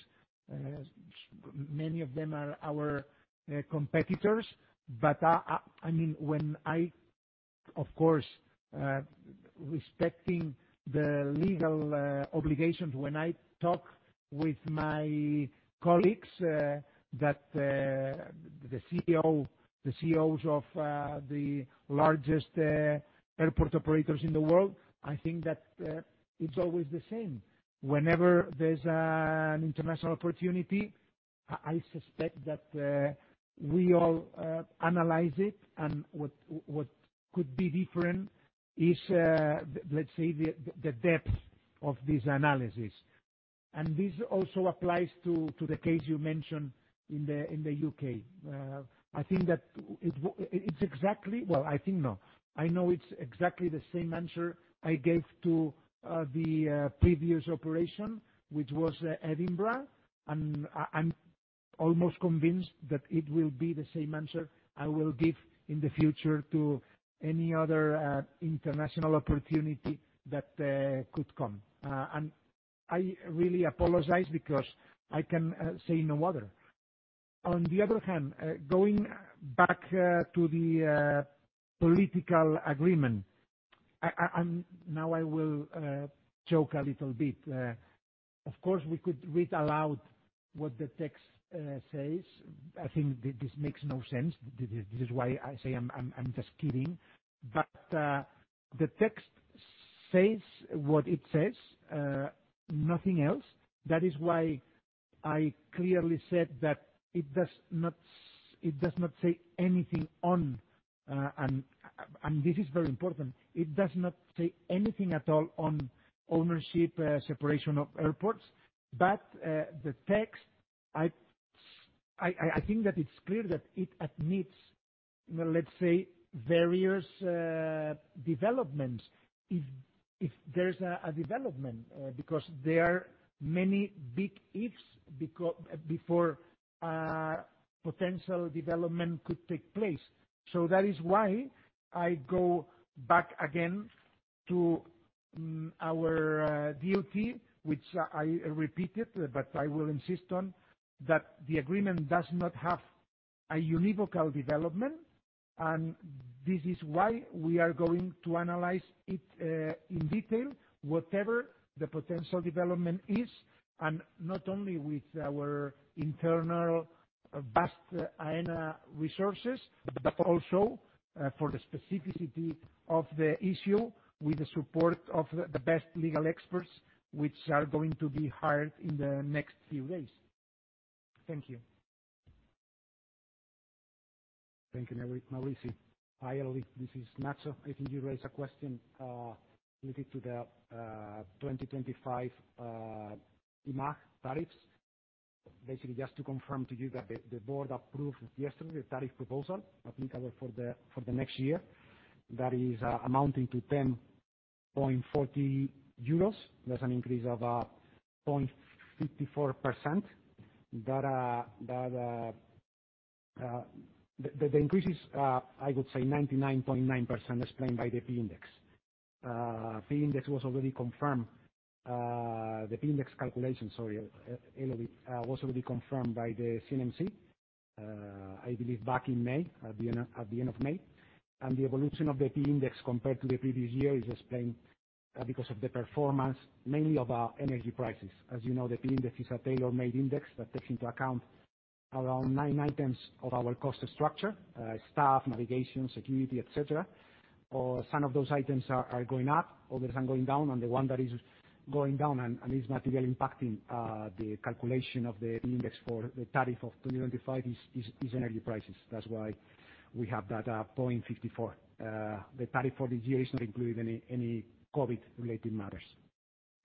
Many of them are our competitors, but I mean, of course, respecting the legal obligations, when I talk with my colleagues, the CEOs of the largest airport operators in the world, I think that it's always the same. Whenever there's an international opportunity, I suspect that we all analyze it, and what could be different is, let's say, the depth of this analysis. And this also applies to the case you mentioned in the U.K. I think that it's exactly... Well, I think no. I know it's exactly the same answer I gave to the previous operation, which was Edinburgh, and I'm almost convinced that it will be the same answer I will give in the future to any other international opportunity that could come. And I really apologize, because I can say no other. On the other hand, going back to the political agreement, now I will joke a little bit. Of course, we could read aloud what the text says. I think this makes no sense. This is why I say I'm just kidding. But the text says what it says, nothing else. That is why I clearly said that it does not say anything on, and this is very important, it does not say anything at all on ownership separation of airports. But the text, I think that it's clear that it admits, let's say, various developments, if there's a development. Because there are many big ifs before potential development could take place. So that is why I go back again to our duty, which I repeated, but I will insist on, that the agreement does not have a univocal development. This is why we are going to analyze it, in detail, whatever the potential development is, and not only with our internal vast Aena resources, but also, for the specificity of the issue, with the support of the best legal experts, which are going to be hired in the next few days. Thank you. Thank you, Maurici. Hi, Elodie, this is Nacho. I think you raised a question related to the 2025 IMAAJ tariffs. Basically, just to confirm to you that the board approved yesterday the tariff proposal applicable for the next year. That is amounting to 10.40 euros. That's an increase of 0.54%. That the increase is, I would say 99.9% explained by the P Index. P Index was already confirmed, the P index calculation, sorry, Elodie, was already confirmed by the CNMC, I believe back in May, at the end of May. And the evolution of the P Index, compared to the previous year, is explained because of the performance, mainly of our energy prices. As you know, the P Index is a tailor-made index that takes into account around nine items of our cost structure, staff, navigation, security, etc. Some of those items are going up, others are going down, and the one that is going down and is materially impacting the calculation of the index for the tariff of 2.95 is energy prices. That's why we have that 0.54. The tariff for this year does not include any COVID-related matters.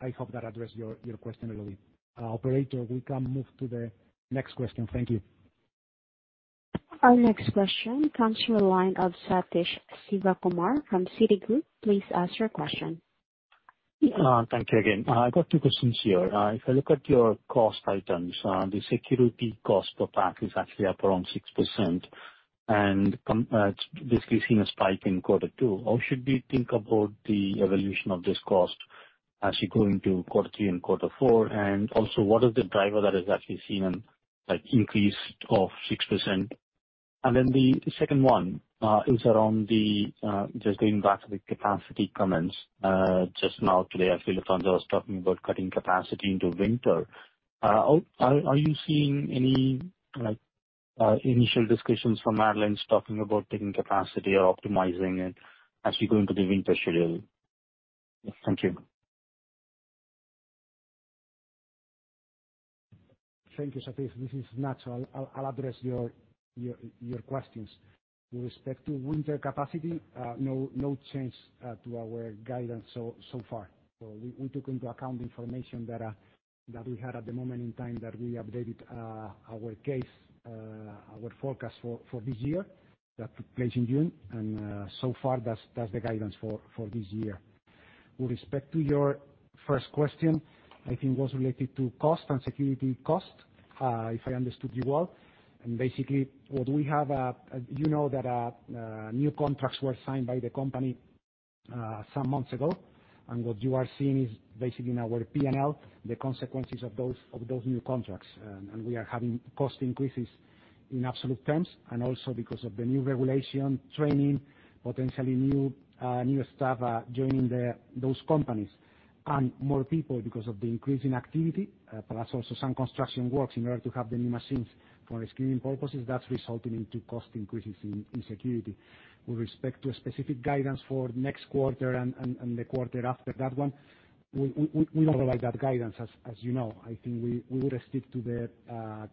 I hope that addressed your question, Elodie. Operator, we can move to the next question. Thank you. Our next question comes from the line of Satish Sivakumar from Citi. Please ask your question. Thank you again. I've got two questions here. If I look at your cost items, the security cost per pack is actually up around 6%, and it's basically seen a spike in quarter two. How should we think about the evolution of this cost actually going to quarter three and quarter four? And also, what is the driver that is actually seen in, like, increase of 6%? And then the second one is around the... Just going back to the capacity comments just now, today, I feel like Alfonso was talking about cutting capacity into winter. Are you seeing any, like, initial discussions from airlines talking about taking capacity or optimizing it as you go into the winter schedule? Thank you. Thank you, Satish. This is Nacho. I'll address your questions. With respect to winter capacity, no change to our guidance so far. So we took into account the information that we had at the moment in time that we updated our forecast for this year that took place in June, and so far, that's the guidance for this year. With respect to your first question, I think it was related to cost and security cost, if I understood you well, and basically, what we have, you know, new contracts were signed by the company some months ago, and what you are seeing is basically in our P&L the consequences of those new contracts. And we are having cost increases in absolute terms, and also because of the new regulation, training, potentially new staff joining those companies. And more people, because of the increase in activity, plus also some construction works, in order to have the new machines for screening purposes, that's resulting into cost increases in security. With respect to specific guidance for next quarter and the quarter after that one, we don't provide that guidance, as you know. I think we would stick to the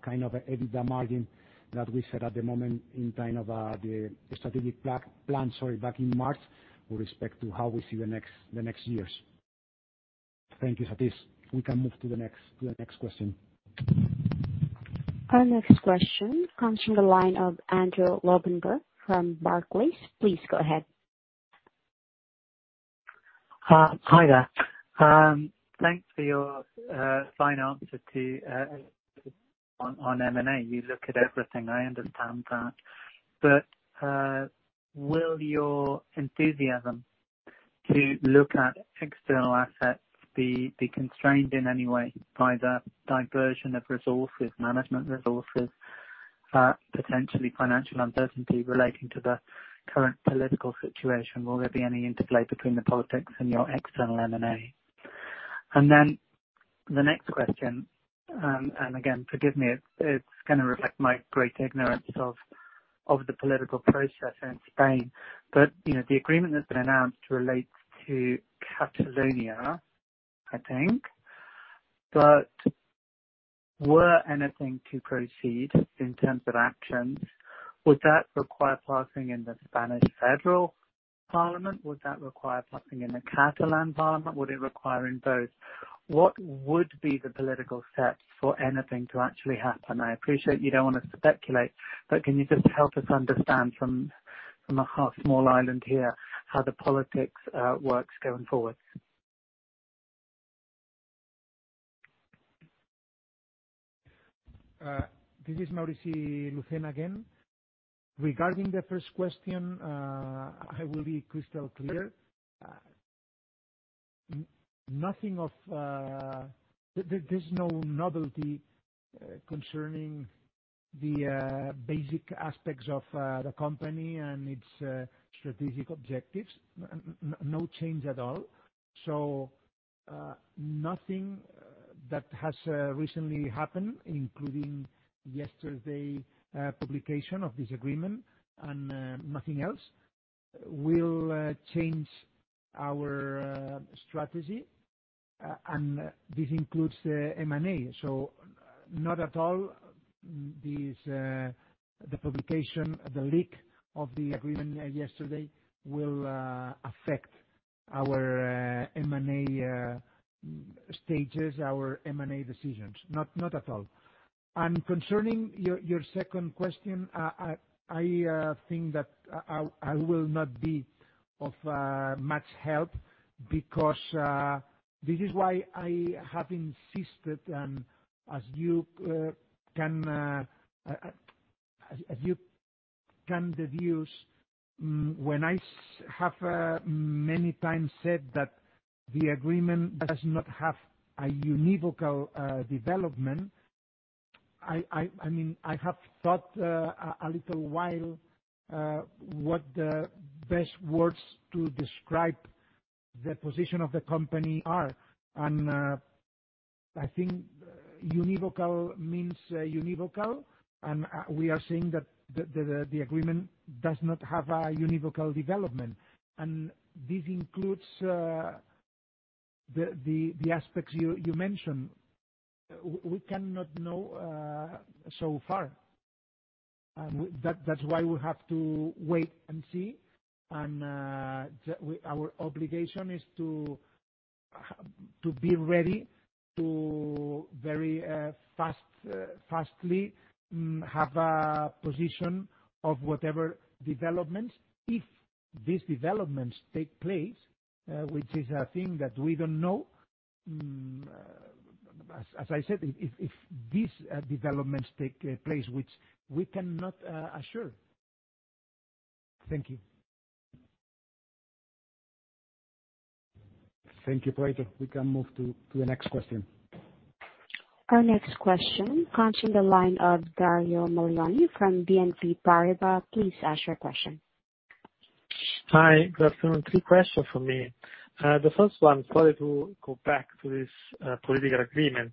kind of EBITDA margin that we set at the moment in time of the strategic plan back in March, with respect to how we see the next years. Thank you, Satish. We can move to the next question. Our next question comes from the line of Andrew Lobbenberg from Barclays. Please go ahead. Hi there. Thanks for your fine answer on M&A. You look at everything, I understand that, but will your enthusiasm to look at external assets be constrained in any way by the diversion of resources, management resources, potentially financial uncertainty relating to the current political situation? Will there be any interplay between the politics and your external M&A? And then, the next question, and again, forgive me, it's gonna reflect my great ignorance of the political process in Spain, but you know, the agreement that's been announced relates to Catalonia, I think. But were anything to proceed in terms of actions, would that require passing in the Spanish Federal Parliament? Would that require passing in the Catalan Parliament? Would it require in both? What would be the political set for anything to actually happen? I appreciate you don't want to speculate, but can you just help us understand from a small island here, how the politics works going forward? This is Maurici Lucena again. Regarding the first question, I will be crystal clear... nothing of, there's no novelty concerning the basic aspects of the company and its strategic objectives. No change at all. So, nothing that has recently happened, including yesterday publication of this agreement and nothing else, will change our strategy. And this includes M&A, so not at all these the publication, the leak of the agreement yesterday will affect our M&A stages, our M&A decisions, not at all. And concerning your second question, I think that I will not be of much help because this is why I have insisted, and as you can deduce, when I have many times said that the agreement does not have a univocal development, I mean, I have thought a little while what the best words to describe the position of the company are, and I think univocal means univocal, and we are saying that the agreement does not have a univocal development. And this includes the aspects you mentioned. We cannot know so far, and that's why we have to wait and see, and our obligation is to be ready very fast to have a position of whatever developments, if these developments take place, which is a thing that we don't know. As I said, if these developments take place, which we cannot assure. Thank you. Thank you, Pedro. We can move to the next question. Our next question comes from the line of Dario Maglione from BNP Paribas. Please ask your question. Hi, good afternoon. Three questions from me. The first one, sorry, to go back to this, political agreement.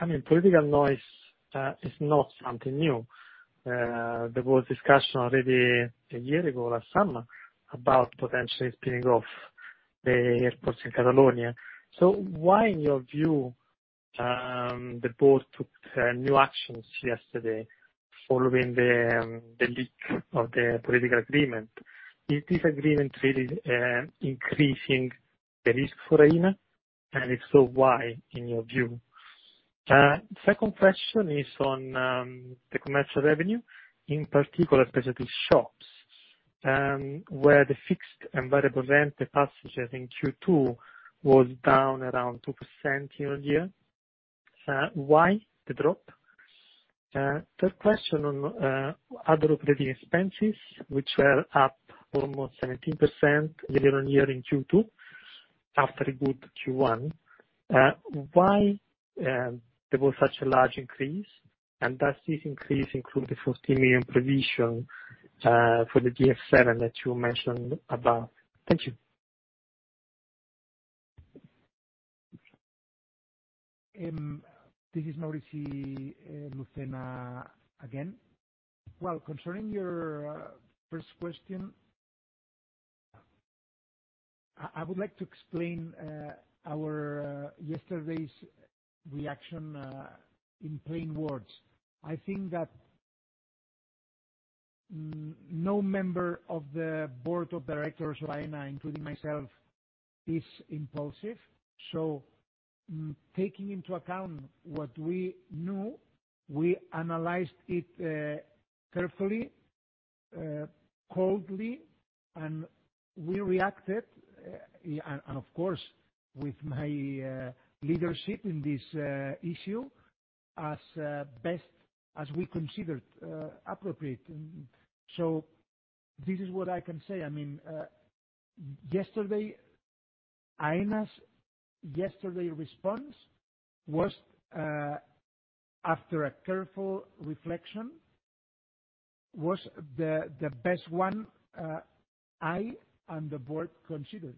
I mean, political noise, is not something new. There was discussion already a year ago last summer about potentially spinning off the airports in Catalonia. So why, in your view, the board took, new actions yesterday following the, the leak of the political agreement? Is this agreement really, increasing the risk for Aena? And if so, why, in your view? Second question is on, the commercial revenue, in particular, especially shops, where the fixed and variable rent, the passengers in Q2 was down around 2% year-on-year. Why the drop? Third question on, other operating expenses, which were up almost 17% year-on-year in Q2, after a good Q1. Why there was such a large increase, and does this increase include the 14 million provision for the DF 7 that you mentioned about? Thank you. This is Mauricio Lucena again. Well, concerning your first question, I would like to explain our yesterday's reaction in plain words. I think that no member of the board of directors of Aena, including myself, is impulsive. So, taking into account what we know, we analyzed it carefully, coldly, and we reacted, and of course, with my leadership in this issue, as best as we considered appropriate. So this is what I can say, I mean, yesterday, Aena's yesterday response was, after a careful reflection, the best one I and the board considered.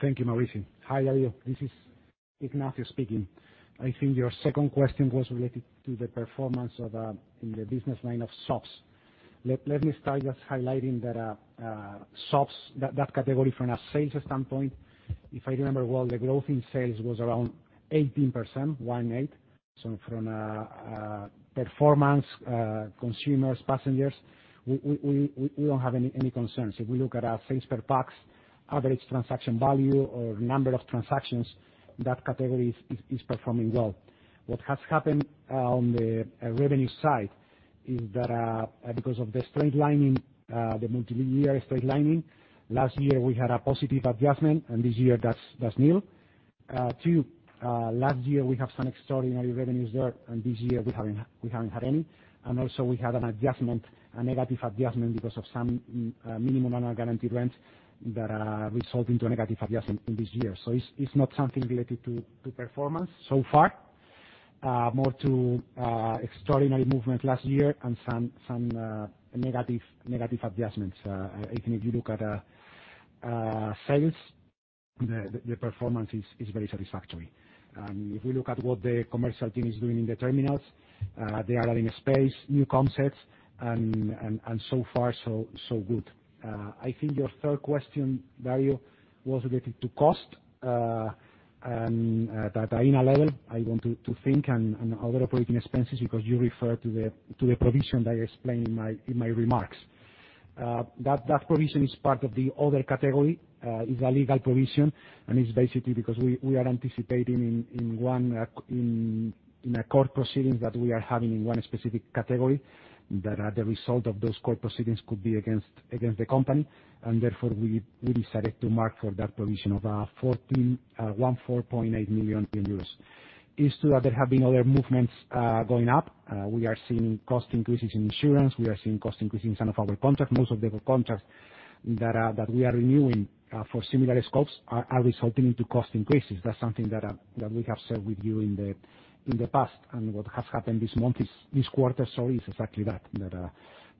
Thank you, Mauricio. Hi, Dario, this is Ignacio speaking. I think your second question was related to the performance of in the business line of shops. Let me start just highlighting that shops, that category from a sales standpoint, if I remember well, the growth in sales was around 18%, one eight. So from a performance, consumers, passengers, we don't have any concerns. If we look at our sales per pax, average transaction value or number of transactions, that category is performing well. What has happened on the revenue side is that because of the straight lining, the multi-year straight lining, last year we had a positive adjustment, and this year that's nil. Two last year, we have some extraordinary revenues there, and this year we haven't had any. And also we had an adjustment, a negative adjustment, because of some minimum annual guaranteed rent that result into a negative adjustment in this year. So it's not something related to performance so far, more to extraordinary movement last year and some negative adjustments. I think if you look at sales, the performance is very satisfactory. And if you look at what the commercial team is doing in the terminals, they are adding space, new concepts, and so far so good. I think your third question, Dario, was related to cost, and at Aena level, I want to think and other operating expenses, because you refer to the provision that I explained in my remarks. That provision is part of the other category, is a legal provision, and it's basically because we are anticipating in one, in a court proceedings that we are having in one specific category, that the result of those court proceedings could be against the company, and therefore, we decided to mark for that provision of 14.8 million euros. It's true that there have been other movements, going up. We are seeing cost increases in insurance. We are seeing cost increases in some of our contracts. Most of the contracts that we are renewing for similar scopes are resulting into cost increases. That's something that we have shared with you in the past. And what has happened this month is—this quarter, sorry, is exactly that.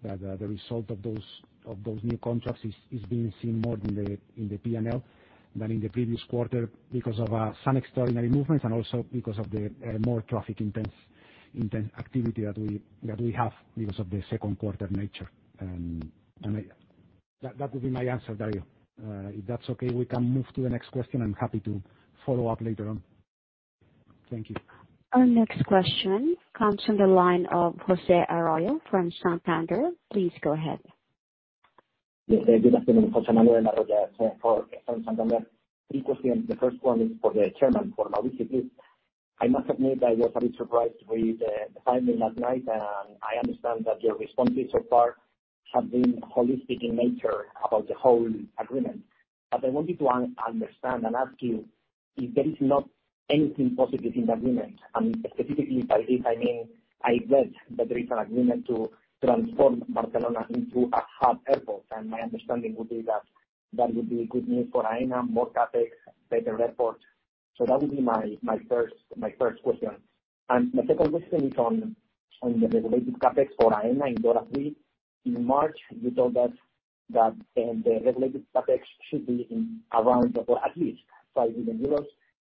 That the result of those new contracts is being seen more in the P&L than in the previous quarter because of some extraordinary movements and also because of the more traffic-intense activity that we have because of the second quarter nature. And that would be my answer, Dario. If that's okay, we can move to the next question. I'm happy to follow up later on. Thank you. Our next question comes from the line of José Arroyo from Santander. Please go ahead. Yes, good afternoon, José Manuel Arroyo, from Santander. Three questions, the first one is for the chairman, for Mauricio. I must admit I was a bit surprised with the timing last night, and I understand that your responses so far have been holistic in nature about the whole agreement. But I wanted to understand and ask you if there is not anything positive in the agreement, and specifically by this I mean, I read that there is an agreement to transform Barcelona into a hub airport, and my understanding would be that that would be good news for Aena, more CapEx, better report. So that would be my first question. And my second question is on the regulated CapEx for Aena in DORA III. In March, you told us that the regulated CapEx should be in around or at least 5 million euros,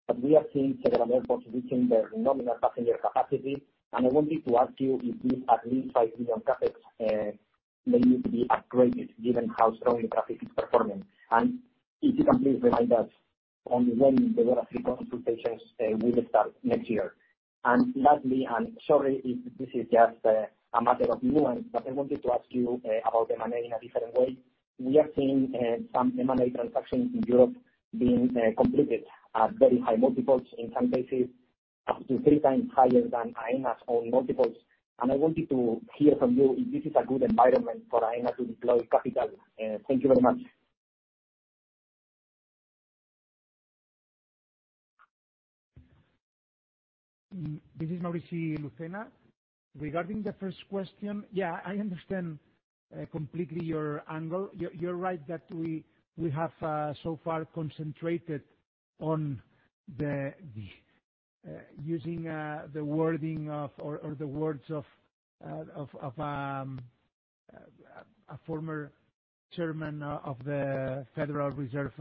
but we are seeing several airports reaching their nominal passenger capacity. I wanted to ask you if this at least 5 million CapEx may need to be upgraded given how strong the traffic is performing? And if you can please remind us on when the DORA III consultations will start next year. And lastly, and sorry if this is just a matter of nuance, but I wanted to ask you about M&A in a different way. We are seeing some M&A transactions in Europe being completed at very high multiples, in some cases, up to three times higher than Aena's own multiples. And I wanted to hear from you if this is a good environment for Aena to deploy capital. Thank you very much. This is Maurici Lucena. Regarding the first question, yeah, I understand completely your angle. You're right that we have so far concentrated on the using the wording of, or the words of a former chairman of the Federal Reserve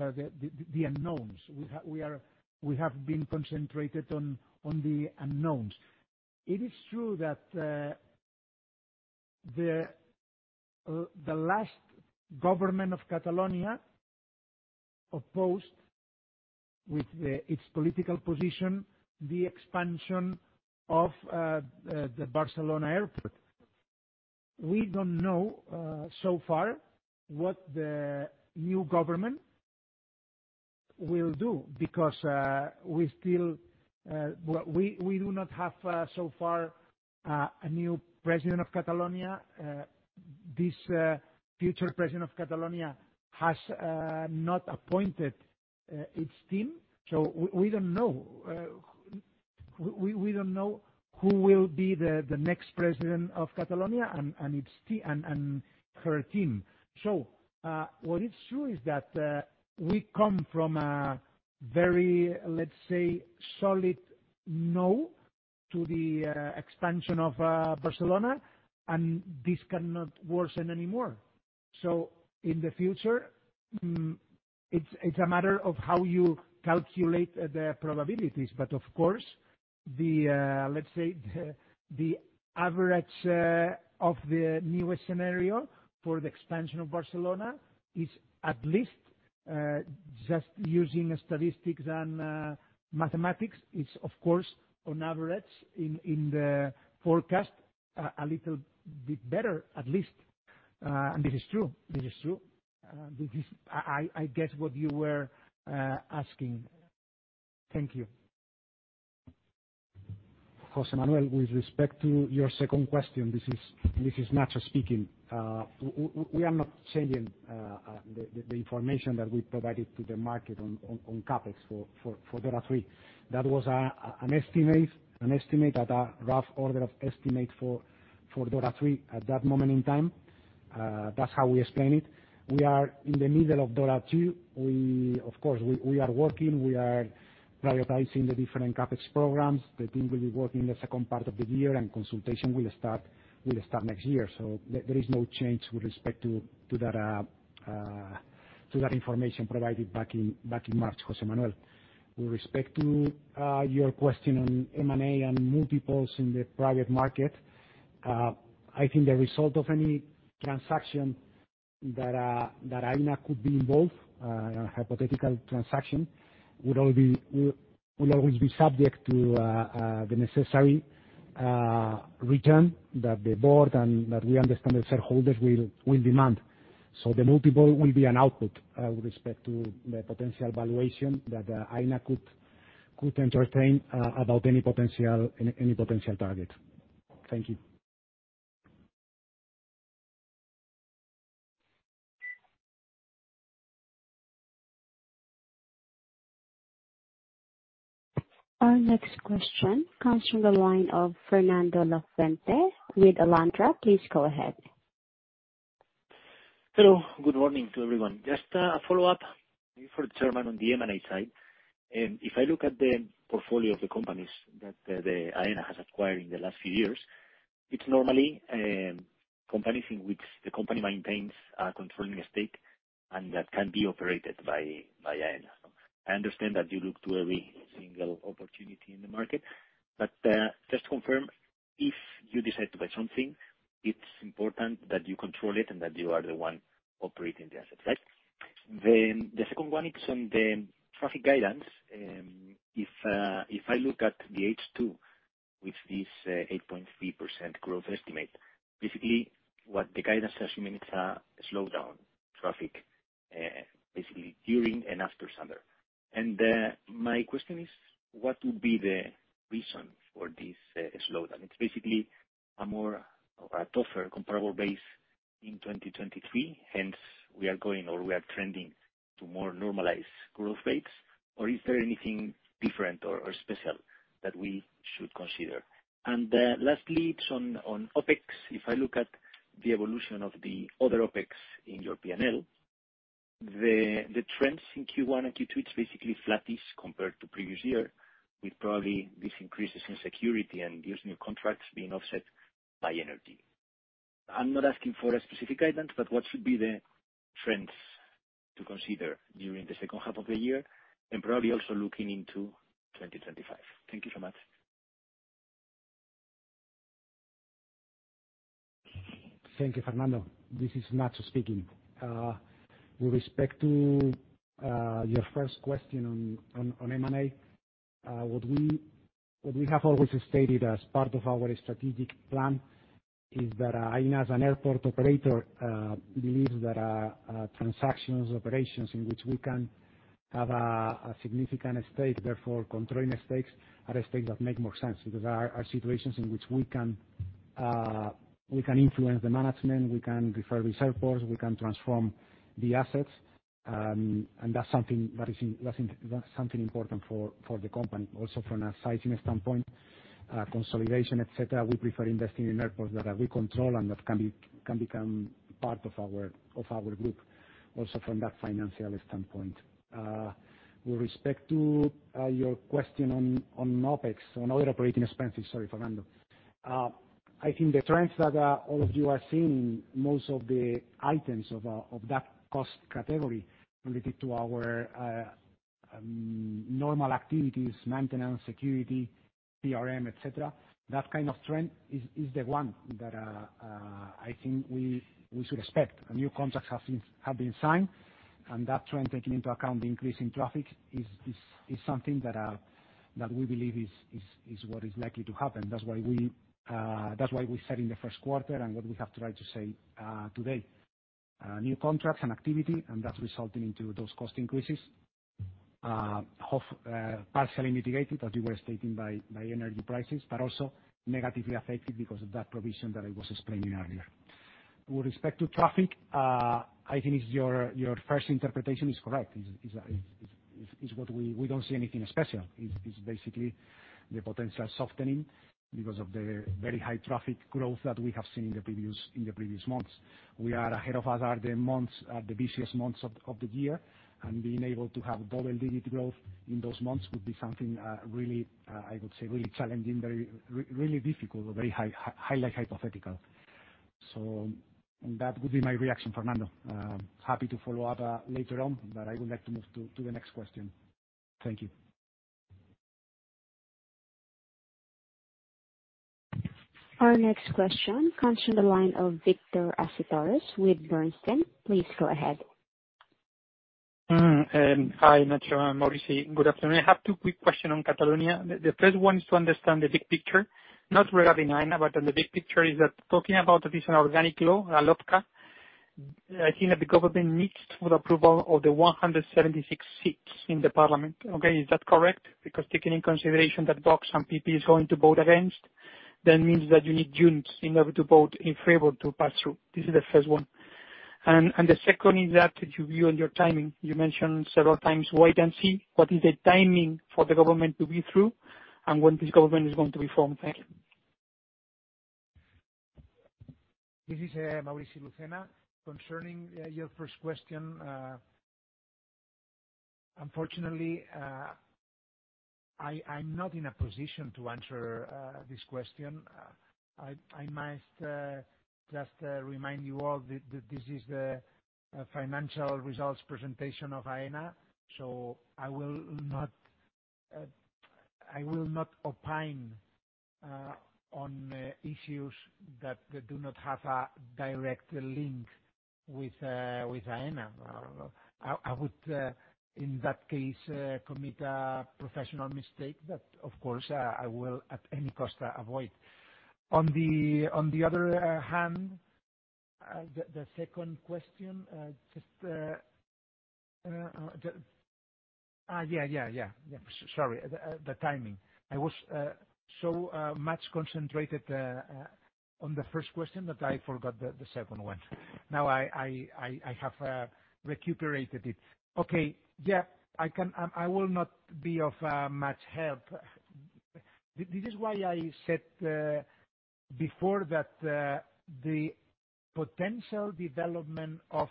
the unknowns. We are, we have been concentrated on the unknowns. It is true that the last government of Catalonia opposed, with its political position, the expansion of the Barcelona Airport. We don't know so far what the new government will do because we still well, we do not have so far a new president of Catalonia. This future president of Catalonia has not appointed its team, so we don't know who will be the next president of Catalonia and its team and her team. So, what is true is that we come from a very, let's say, solid no to the expansion of Barcelona, and this cannot worsen anymore. So in the future, it's a matter of how you calculate the probabilities, but of course, the, let's say, the average of the newest scenario for the expansion of Barcelona is at least, just using statistics and mathematics, is of course, on average, in the forecast, a little bit better, at least. And this is true. This is true. This is, I guess, what you were asking. Thank you. José Manuel, with respect to your second question, this is Nacho speaking. We are not changing the information that we provided to the market on CapEx for DORA III. That was an estimate at a rough order of estimate for DORA III at that moment in time. That's how we explain it. We are in the middle of DORA II. Of course, we are working, we are prioritizing the different CapEx programs. The team will be working the second part of the year, and consultation will start next year. So there is no change with respect to that information provided back in March, José Manuel. With respect to your question on M&A and multiples in the private market, I think the result of any transaction that that Aena could be involved a hypothetical transaction will always be subject to the necessary return that the board and that we understand the shareholders will demand. So the multiple will be an output with respect to the potential valuation that Aena could entertain about any potential target. Thank you. Our next question comes from the line of Fernando Lafuente with Alantra. Please go ahead. Hello, good morning to everyone. Just a follow-up for the Chairman on the M&A side. If I look at the portfolio of the companies that the Aena has acquired in the last few years, it's normally companies in which the company maintains a controlling stake and that can be operated by, by Aena. I understand that you look to every single opportunity in the market, but just to confirm, if you decide to buy something, it's important that you control it and that you are the one operating the asset, right? Then, the second one is on the traffic guidance. If I look at the H2, with this eight point three percent growth estimate, basically, what the guidance is assuming it's a slowdown traffic, basically during and after summer. My question is, what would be the reason for this slowdown? It's basically a more of a tougher comparable base in 2023, hence we are going or we are trending to more normalized growth rates. Or is there anything different or, or special that we should consider? Lastly, it's on, on OpEx. If I look at the evolution of the other OpEx in your P&L, the, the trends in Q1 and Q2, it's basically flattish compared to previous year, with probably these increases in security and these new contracts being offset by energy. I'm not asking for a specific guidance, but what should be the trends to consider during the second half of the year, and probably also looking into 2025? Thank you so much. Thank you, Fernando. This is Nacho speaking. With respect to your first question on M&A, what we have always stated as part of our strategic plan is that Aena, as an airport operator, believes that transactions, operations in which we can have a significant stake, therefore, controlling stakes, are the stakes that make more sense. Because are situations in which we can influence the management, we can refer the airports, we can transform the assets, and that's something important for the company. Also, from a sizing standpoint, consolidation, etc, we prefer investing in airports that we control and that can become part of our group, also from that financial standpoint. With respect to your question on OpEx, on other operating expenses, sorry, Fernando, I think the trends that all of you are seeing, most of the items of that cost category related to our normal activities, maintenance, security, DRM, etc, that kind of trend is the one that I think we should expect. New contracts have been signed, and that trend, taking into account the increase in traffic, is something that we believe is what is likely to happen. That's why we said in the first quarter, and what we have tried to say today. New contracts and activity, and that's resulting into those cost increases, half partially mitigated, as you were stating, by energy prices, but also negatively affected because of that provision that I was explaining earlier. With respect to traffic, I think it's your first interpretation is correct, is what we... We don't see anything special. It's basically the potential softening because of the very high traffic growth that we have seen in the previous months. We are ahead of us are the months, the busiest months of the year, and being able to have double digit growth in those months would be something, really, I would say, really challenging, very really difficult, or very high hypothetical. So that would be my reaction, Fernando. Happy to follow up later on, but I would like to move to the next question. Thank you. Our next question comes from the line of Victor Acitores with Bernstein. Please go ahead. Hi, Nacho and Maurici. Good afternoon. I have two quick questions on Catalonia. The first one is to understand the big picture, not regarding Aena, but on the big picture, is that talking about this organic law, LOFCA? I think that the government needs for approval of the 176 seats in the parliament. Okay, is that correct? Because taking in consideration that Vox and PP is going to vote against, that means that you need Junts in order to vote in favor to pass through. This is the first one. And the second is that, your view on your timing. You mentioned several times, wait and see. What is the timing for the government to be through, and when this government is going to be formed? Thank you. This is Maurici Lucena. Concerning your first question, unfortunately, I am not in a position to answer this question. I must just remind you all that this is the financial results presentation of Aena, so I will not opine on issues that do not have a direct link with Aena. I would in that case commit a professional mistake that, of course, I will at any cost avoid. On the other hand, the second question, just the... Ah, yeah, yeah, yeah, yeah. Sorry, the timing. I was so much concentrated on the first question that I forgot the second one. Now, I have recuperated it. Okay. Yeah, I can, I will not be of much help. This is why I said before that the potential development of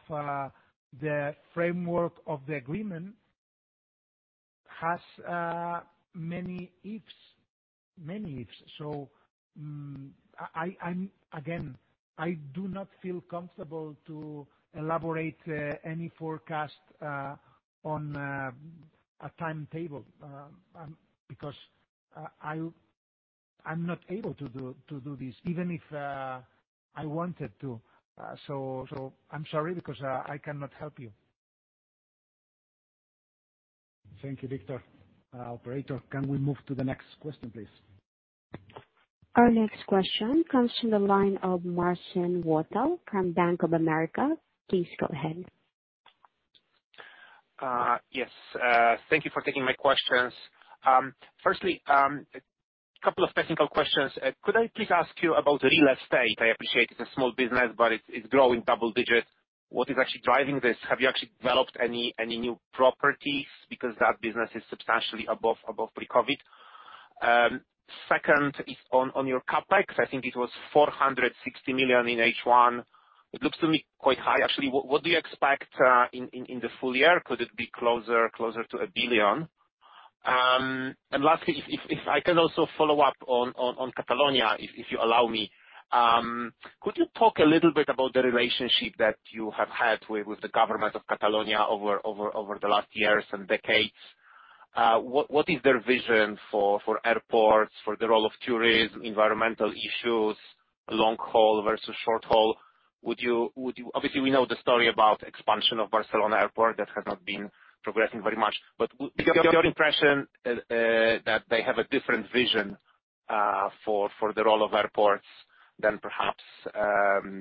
the framework of the agreement has many ifs, many ifs. So, I'm again, I do not feel comfortable to elaborate any forecast on a timetable because I'm not able to do this, even if I wanted to. So, I'm sorry, because I cannot help you. Thank you, Victor. Operator, can we move to the next question, please? Our next question comes from the line of Marcin Wojtal from Bank of America. Please go ahead. Yes. Thank you for taking my questions. Firstly, a couple of technical questions. Could I please ask you about real estate? I appreciate it's a small business, but it's growing double digits. What is actually driving this? Have you actually developed any new properties? Because that business is substantially above pre-COVID. Second is on your CapEx. I think it was 460 million in H1. It looks to me quite high, actually. What do you expect in the full year? Could it be closer to 1 billion? And lastly, if I can also follow up on Catalonia, if you allow me. Could you talk a little bit about the relationship that you have had with, with the government of Catalonia over, over, over the last years and decades? What, what is their vision for, for airports, for the role of tourism, environmental issues, long haul versus short haul? Would you, would you... Obviously, we know the story about expansion of Barcelona Airport, that has not been progressing very much. But your, your impression, that they have a different vision, for, for the role of airports than perhaps,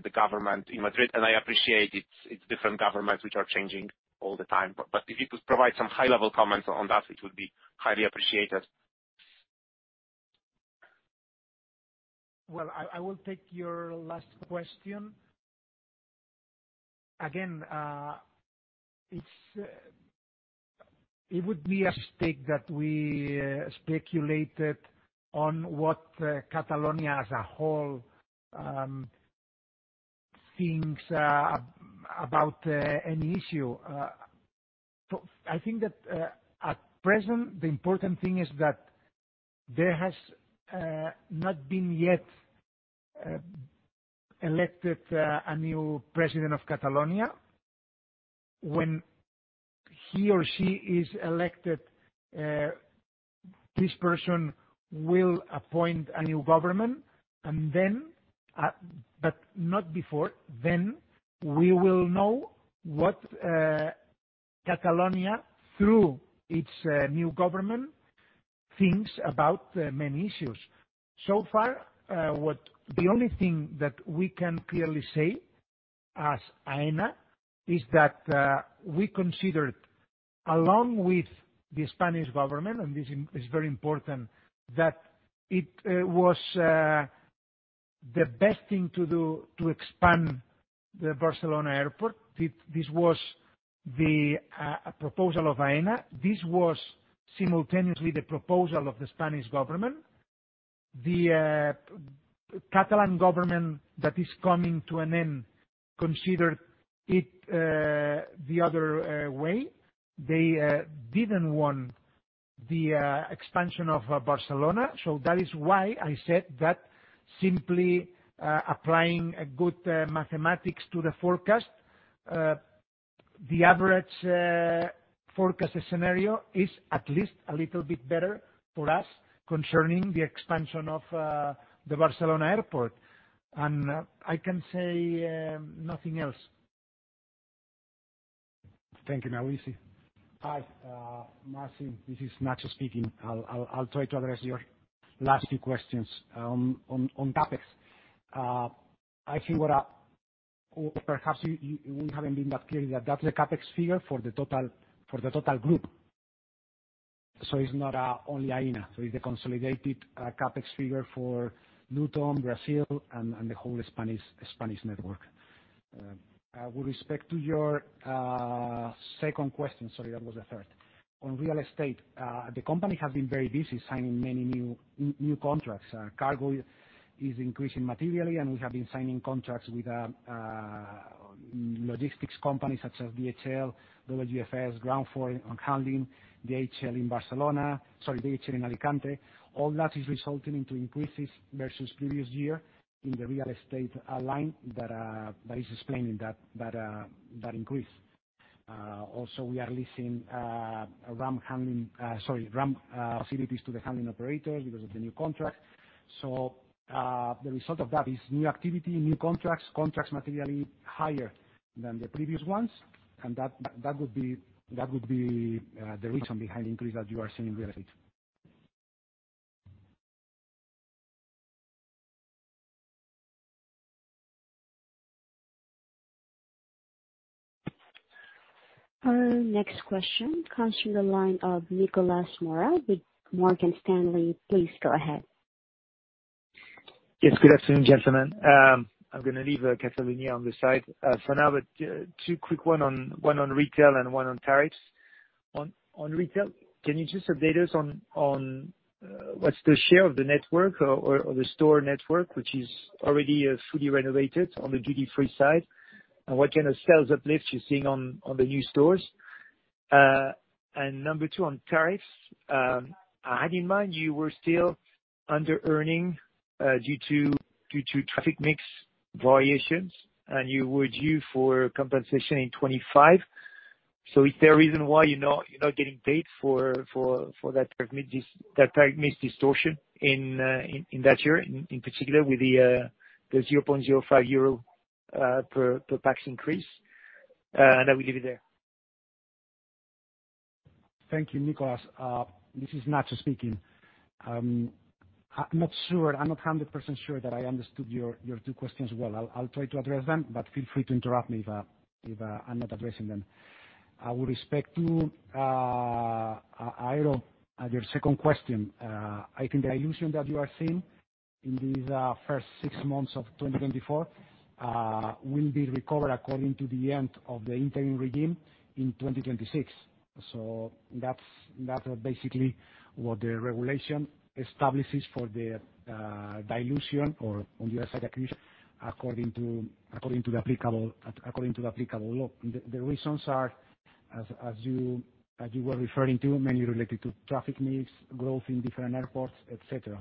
the government in Madrid, and I appreciate it's, it's different governments which are changing all the time, but, but if you could provide some high-level comments on that, it would be highly appreciated. Well, I will take your last question. Again, it would be a mistake that we speculated on what Catalonia as a whole thinks about any issue. So I think that at present, the important thing is that there has not been yet elected a new president of Catalonia. When he or she is elected, this person will appoint a new government, and then, but not before, then we will know what Catalonia, through its new government, thinks about the many issues. So far, the only thing that we can clearly say, as Aena, is that we consider, along with the Spanish government, and this is very important, that it was the best thing to do to expand the Barcelona Airport. This, this was the proposal of Aena. This was simultaneously the proposal of the Spanish government. The Catalan government that is coming to an end considered it the other way. They didn't want the expansion of Barcelona, so that is why I said that simply applying a good mathematics to the forecast the average forecast scenario is at least a little bit better for us concerning the expansion of the Barcelona Airport. And I can say nothing else. .Thank you, Maurici. Hi, Marcin, this is Nacho speaking. I'll try to address your last few questions. On CapEx, I think what I, or perhaps we, haven't been that clear, that that's the CapEx figure for the total group. So it's not only Aena, so it's the consolidated CapEx figure for Luton, Brazil, and the whole Spanish network. With respect to your second question, sorry, that was the third. On real estate, the company has been very busy signing many new contracts. Cargo is increasing materially, and we have been signing contracts with logistics companies such as DHL, WFS, Groundforce on handling, DHL in Barcelona, sorry, DHL in Alicante. All that is resulting into increases versus previous year in the real estate line that is explaining that increase. Also we are leasing ramp handling sorry ramp facilities to the handling operator because of the new contract. So the result of that is new activity, new contracts, contracts materially higher than the previous ones, and that would be the reason behind the increase that you are seeing in real estate. Our next question comes from the line of Nicolas Mora with Morgan Stanley. Please go ahead. Yes, good afternoon, gentlemen. I'm gonna leave Catalonia on the side for now, but two quick ones: one on retail and one on tariffs. On retail, can you just update us on what's the share of the network or the store network, which is already fully renovated on the duty-free side? And what kind of sales uplifts you're seeing on the new stores? And number two, on tariffs, I had in mind you were still under earning due to traffic mix variations, and you were due for compensation in 2025. So is there a reason why you're not getting paid for that traffic mix distortion in that year, in particular with the 0.05 euro per pax increase? And I will leave it there. Thank you, Nicholas. This is Nacho speaking. I'm not sure, I'm not 100% sure that I understood your, your two questions well. I'll, I'll try to address them, but feel free to interrupt me if, if, I'm not addressing them. With respect to your second question, I think the dilution that you are seeing in these, first six months of 2024, will be recovered according to the end of the interim regime in 2026. So that's, that's basically what the regulation establishes for the, dilution or on the asset acquisition, according to, according to the applicable, according to the applicable law. The, the reasons are, as, as you, as you were referring to, mainly related to traffic mix, growth in different airports, etc.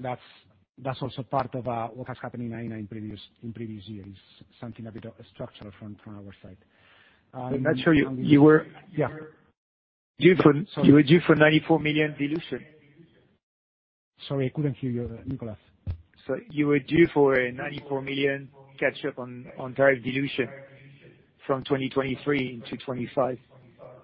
That's also part of what has happened in Aena in previous years, something a bit structural from our side. I'm not sure you were- Yeah. You were due, you were due for 94 million dilution? Sorry, I couldn't hear you, Nicolas. You were due for a 94 million catch-up on tariff dilution from 2023 to 2025.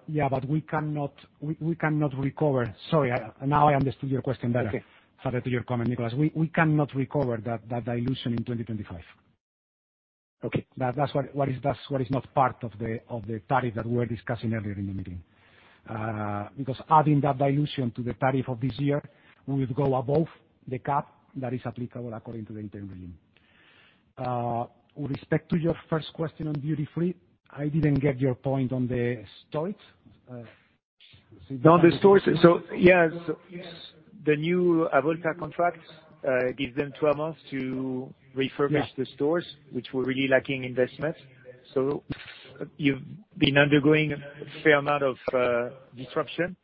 Yeah, but we cannot recover... Sorry, now I understood your question better- Okay. Thanks for your comment, Nicholas. We cannot recover that dilution in 2025. Okay. That's what is not part of the tariff that we were discussing earlier in the meeting. Because adding that dilution to the tariff of this year, we would go above the cap that is applicable according to the interim regime. With respect to your first question on duty-free, I didn't get your point on the stores. On the stores, so yeah. So the new Avolta contract gives them 12 months to refurbish the stores, which were really lacking investment. So you've been undergoing a fair amount of disruption.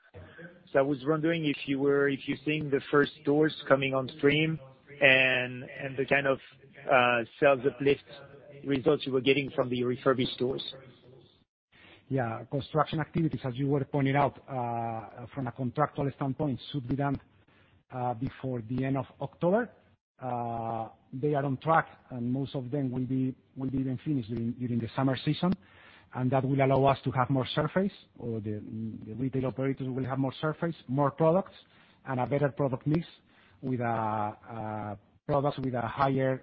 So I was wondering if you were, if you're seeing the first stores coming on stream and the kind of sales uplift results you were getting from the refurbished stores. Yeah. Construction activities, as you were pointing out, from a contractual standpoint, should be done before the end of October. They are on track, and most of them will be, will be then finished during, during the summer season, and that will allow us to have more surface, or the, the retail operators will have more surface, more products, and a better product mix with, products with a higher,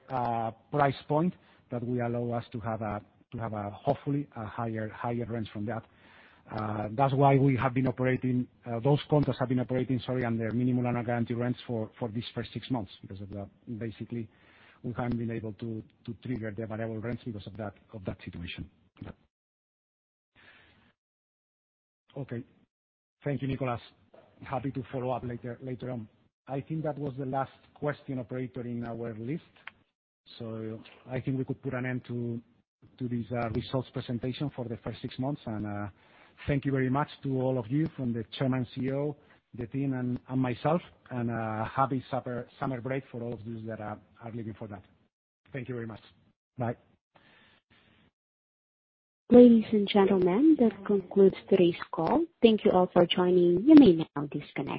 price point that will allow us to have a, to have a, hopefully, a higher, higher rents from that. That's why we have been operating, those contracts have been operating, sorry, on their minimum and guaranteed rents for, for these first six months because of that. Basically, we haven't been able to, to trigger the variable rents because of that, of that situation. Okay. Thank you, Nicholas. Happy to follow up later, later on. I think that was the last question, operator, in our list. So I think we could put an end to this results presentation for the first six months. And thank you very much to all of you, from the Chairman, CEO, the team, and myself. And happy summer break for all of you that are looking for that. Thank you very much. Bye. Ladies and gentlemen, that concludes today's call. Thank you all for joining. You may now disconnect.